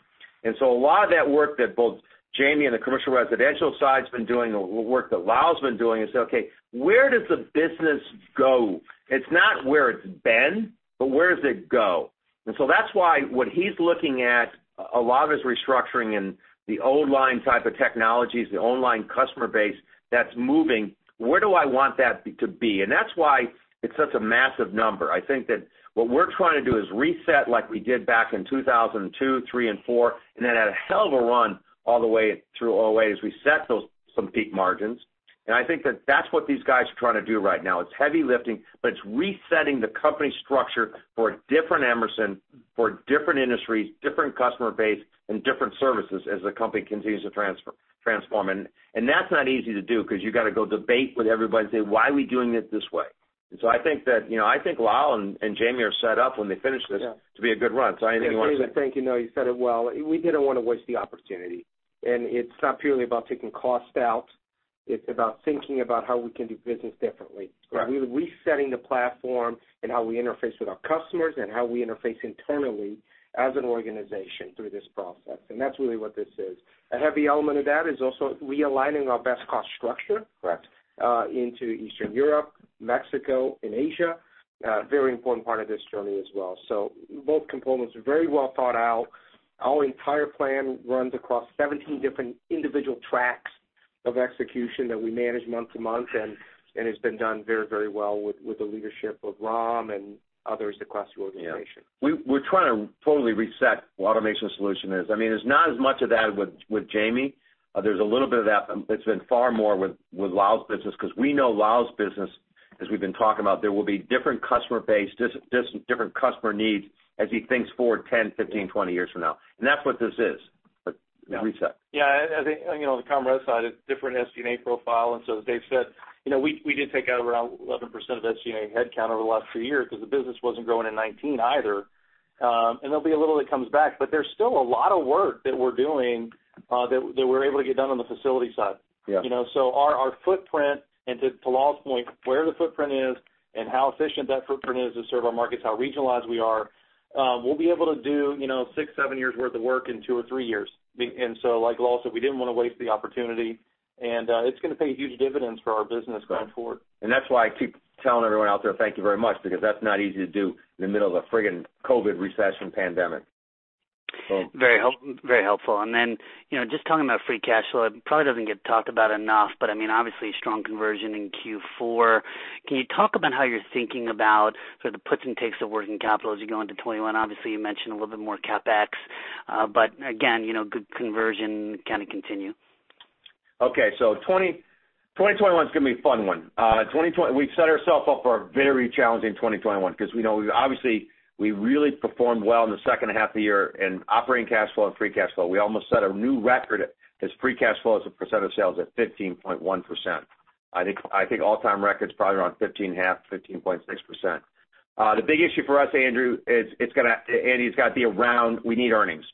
S3: A lot of that work that both Jamie and the Commercial & Residential Solutions side's been doing, the work that Lal's been doing is say, okay, where does the business go? It's not where it's been, but where does it go? That's why what he's looking at a lot of his restructuring and the old line type of technologies, the old line customer base that's moving, where do I want that to be? That's why it's such a massive number. I think that what we're trying to do is reset like we did back in 2002, 2003, and 2004, and then had a hell of a run all the way through 2008 as we set some peak margins. I think that that's what these guys are trying to do right now. It's heavy lifting, but it's resetting the company structure for a different Emerson, for different industries, different customer base, and different services as the company continues to transform. That's not easy to do because you got to go debate with everybody and say, why are we doing it this way? I think that Lal and Jamie are set up when they finish this to be a good run. Jamie, you want to say?
S4: Yeah. David, thank you. No, you said it well. We didn't want to waste the opportunity. It's not purely about taking cost out. It's about thinking about how we can do business differently.
S3: Correct.
S4: We're resetting the platform and how we interface with our customers and how we interface internally as an organization through this process. That's really what this is. A heavy element of that is also realigning our best cost structure-
S3: Correct....
S4: into Eastern Europe, Mexico, and Asia. A very important part of this journey as well. Both components are very well thought out. Our entire plan runs across 17 different individual tracks of execution that we manage month-to-month, and it's been done very well with the leadership of Ram and others across the organization.
S3: Yeah. We're trying to totally reset what Automation Solutions is. There's not as much of that with Jamie. There's a little bit of that, but it's been far more with Lal's business because we know Lal's business, as we've been talking about, there will be different customer base, different customer needs as he thinks forward 10, 15, 20 years from now. That's what this is, a reset.
S5: Yeah. On the comm res side, it's different SG&A profile. As David said, we did take out around 11% of SG&A headcount over the last few years because the business wasn't growing in 2019 either. There'll be a little that comes back. There's still a lot of work that we're doing that we're able to get done on the facility side.
S3: Yeah.
S5: Our footprint, and to Lal's point, where the footprint is and how efficient that footprint is to serve our markets, how regionalized we are, we'll be able to do six, seven years worth of work in two or three years. Like Lal said, we didn't want to waste the opportunity, and it's going to pay huge dividends for our business going forward.
S3: That's why I keep telling everyone out there thank you very much, because that's not easy to do in the middle of a freaking COVID recession pandemic.
S11: Very helpful. Just talking about free cash flow, it probably doesn't get talked about enough, but obviously strong conversion in Q4. Can you talk about how you're thinking about sort of the puts and takes of working capital as you go into 2021? Obviously, you mentioned a little bit more CapEx. Good conversion kind of continue.
S3: 2021's going to be a fun one. We've set ourself up for a very challenging 2021 because we know obviously we really performed well in the second half of the year in operating cash flow and free cash flow. We almost set a new record as free cash flow as a percent of sales at 15.1%. I think all-time record's probably around 15.5%, 15.6%. The big issue for us, Andrew, it's got to be around we need earnings.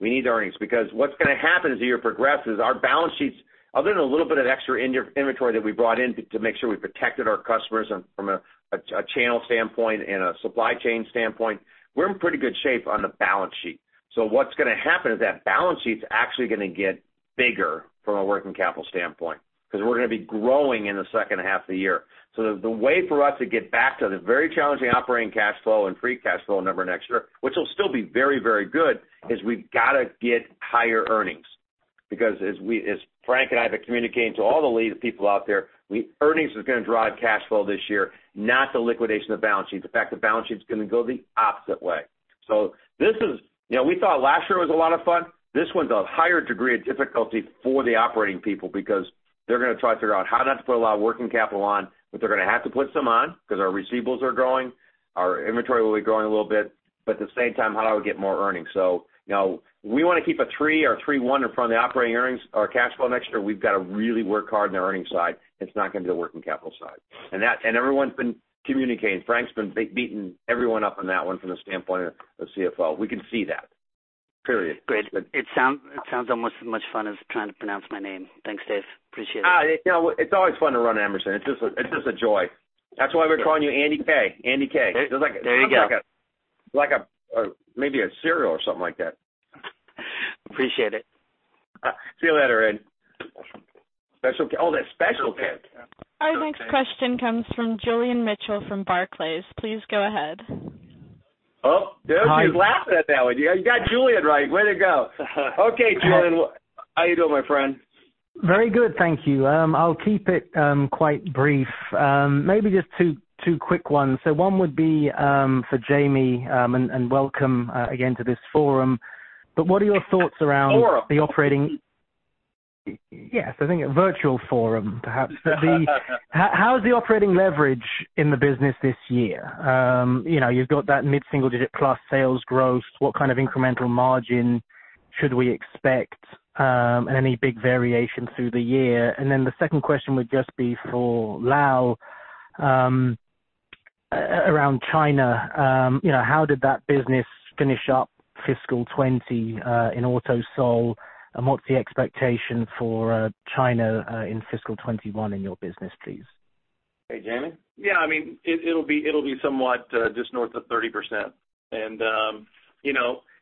S3: We need earnings because what's going to happen as the year progresses, our balance sheets, other than a little bit of extra inventory that we brought in to make sure we protected our customers from a channel standpoint and a supply chain standpoint, we're in pretty good shape on the balance sheet. What's going to happen is that balance sheet's actually going to get bigger from a working capital standpoint because we're going to be growing in the second half of the year. The way for us to get back to the very challenging operating cash flow and free cash flow number next year, which will still be very good, is we've got to get higher earnings, because as Frank and I have been communicating to all the lead people out there, earnings is going to drive cash flow this year, not the liquidation of balance sheets. In fact, the balance sheet's going to go the opposite way. We thought last year was a lot of fun. This one's a higher degree of difficulty for the operating people because they're going to try to figure out how not to put a lot of working capital on, but they're going to have to put some on because our receivables are growing. Our inventory will be growing a little bit. At the same time, how do I get more earnings? We want to keep a three or three-one in front of the operating earnings, our cash flow next year. We've got to really work hard on the earnings side, and it's not going to be the working capital side. Everyone's been communicating. Frank's been beating everyone up on that one from the standpoint of CFO. We can see that.
S11: Great. It sounds almost as much fun as trying to pronounce my name. Thanks, Dave. Appreciate it.
S3: It's always fun to run Emerson. It's just a joy. That's why we're calling you Andy K.
S11: There you go.
S3: Sounds like maybe a cereal or something like that.
S11: Appreciate it.
S3: See you later, Andy. Special K. Oh, there's Special K.
S1: Our next question comes from Julian Mitchell from Barclays. Please go ahead.
S3: Oh, Dave, you laughed at that one. You got Julian right. Way to go. Okay, Julian, how are you doing, my friend?
S12: Very good, thank you. I'll keep it quite brief. Maybe just two quick ones. One would be for Jamie, and welcome again to this forum. What are your thoughts around-
S3: Forum.
S12: Yes, I think a virtual forum, perhaps. How's the operating leverage in the business this year? You've got that mid-single digit plus sales growth. What kind of incremental margin should we expect? Any big variation through the year? The second question would just be for Lal, around China. How did that business finish up fiscal 2020, in Auto Sol? What's the expectation for China in fiscal 2021 in your business, please?
S3: Okay, Jamie?
S5: Yeah, it'll be somewhat just north of 30%.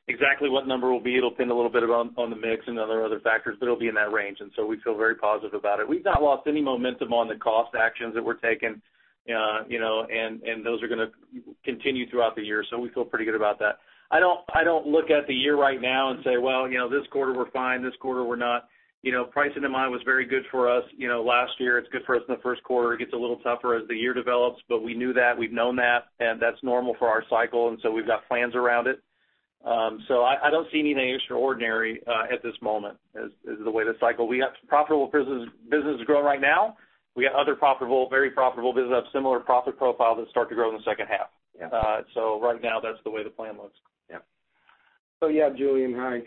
S5: Exactly what number it will be, it'll depend a little bit on the mix and other factors, but it'll be in that range. We feel very positive about it. We've not lost any momentum on the cost actions that we're taking, and those are going to continue throughout the year. We feel pretty good about that. I don't look at the year right now and say, well, this quarter we're fine, this quarter we're not. Pricing MI was very good for us last year. It's good for us in the first quarter. It gets a little tougher as the year develops, but we knew that, we've known that, and that's normal for our cycle, and so we've got plans around it. I don't see anything extraordinary at this moment. We got profitable businesses growing right now. We got other profitable, very profitable businesses, have similar profit profiles that start to grow in the second half.
S3: Yeah.
S5: Right now, that's the way the plan looks.
S3: Yeah.
S4: Yeah, Julian, hi.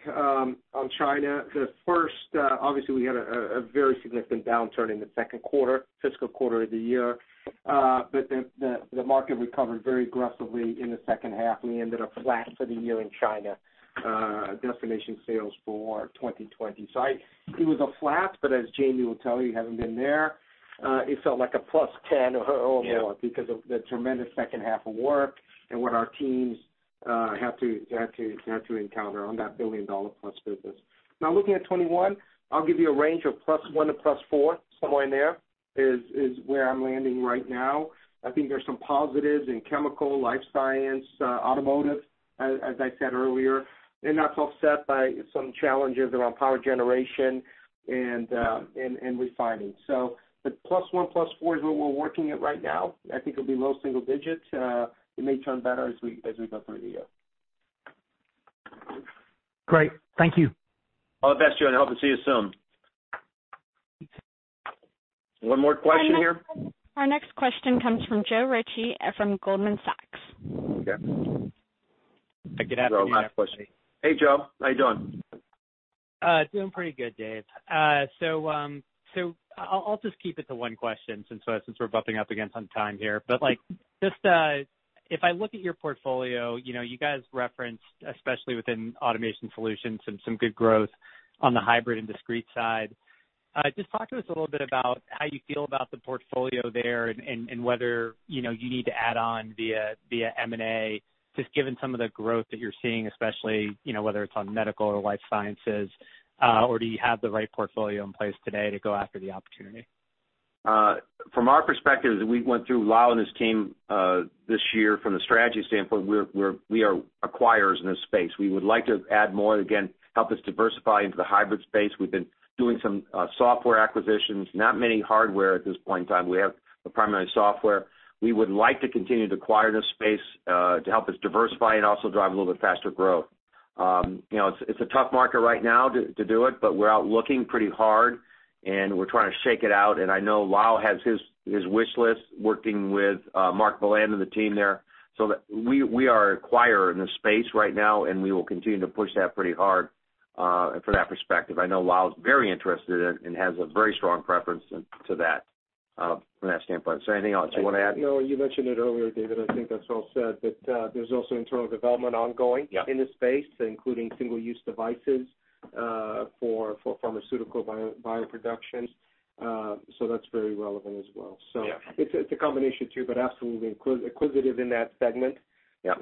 S4: On China, first, obviously we had a very significant downturn in the second quarter, fiscal quarter of the year. The market recovered very aggressively in the second half, and we ended up flat for the year in China, destination sales for 2020. It was a flat, but as Jamie will tell you, having been there, it felt like a +10 or more-
S3: Yeah....
S4: because of the tremendous second half of work and what our teams had to encounter on that $1+ billion business. Looking at 2021, I'll give you a range of +1 to +4, somewhere in there is where I'm landing right now. I think there's some positives in chemical, life science, automotive, as I said earlier, and that's offset by some challenges around power generation and refining. The +1, +4 is where we're working it right now. I think it'll be low single digits. It may turn better as we go through the year.
S12: Great. Thank you.
S3: All the best, Julian. Hope to see you soon. One more question here.
S1: Our next question comes from Joe Ritchie from Goldman Sachs.
S3: Okay.
S13: Good afternoon, everybody.
S3: Hey, Joe. How you doing?
S13: Doing pretty good, Dave. I'll just keep it to one question since we're bumping up against on time here. If I look at your portfolio, you guys referenced, especially within Automation Solutions, some good growth on the hybrid and discrete side. Just talk to us a little bit about how you feel about the portfolio there and whether you need to add on via M&A, just given some of the growth that you're seeing, especially, whether it's on medical or life sciences. Do you have the right portfolio in place today to go after the opportunity?
S3: From our perspective, as we went through, Lal and his team this year from the strategy standpoint, we are acquirers in this space. We would like to add more, again, help us diversify into the hybrid space. We've been doing some software acquisitions, not many hardware at this point in time. We have the primary software. We would like to continue to acquire this space, to help us diversify and also drive a little bit faster growth. It's a tough market right now to do it, but we're out looking pretty hard and we're trying to shake it out, and I know Lal has his wishlist working with Mark Bulanda and the team there. We are an acquirer in this space right now, and we will continue to push that pretty hard for that perspective. I know Lal is very interested in it and has a very strong preference to that from that standpoint. Is there anything else you want to add?
S4: No, you mentioned it earlier, David. I think that's all said, but there's also internal development ongoing-
S3: Yeah....
S4: in this space, including single-use devices for pharmaceutical bioproduction. That's very relevant as well.
S3: Yeah.
S4: It's a combination too, but absolutely inquisitive in that segment.
S3: Yeah.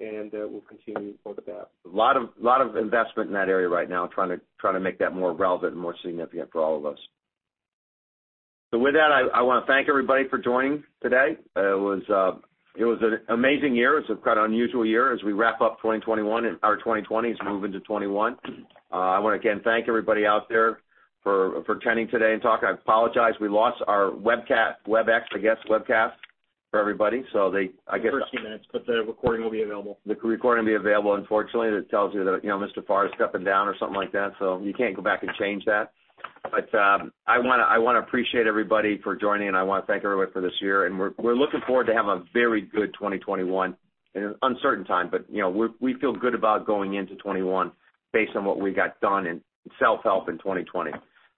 S4: We'll continue to look at that.
S3: A lot of investment in that area right now, trying to make that more relevant and more significant for all of us. With that, I want to thank everybody for joining today. It was an amazing year. It's quite an unusual year as we wrap up 2021 and our 2020s move into 2021. I want to again thank everybody out there for attending today and talk. I apologize, we lost our webcast, Webex, I guess, webcast for everybody-
S5: For a few minutes, but the recording will be available.
S3: The recording will be available. Unfortunately, that tells you that Mr. Farr is stepping down or something like that, so you can't go back and change that. I want to appreciate everybody for joining, and I want to thank everybody for this year, and we're looking forward to have a very good 2021 in an uncertain time. We feel good about going into '21 based on what we got done in self-help in 2020.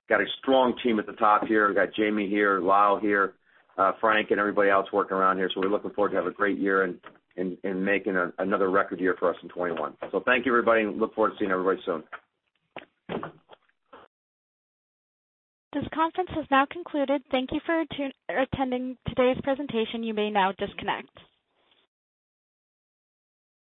S3: Got a strong team at the top here. We got Jamie here, Lal here, Frank, and everybody else working around here. We're looking forward to have a great year and making another record year for us in 2021. Thank you, everybody, and look forward to seeing everybody soon.
S1: This conference has now concluded. Thank you for attending today's presentation. You may now disconnect.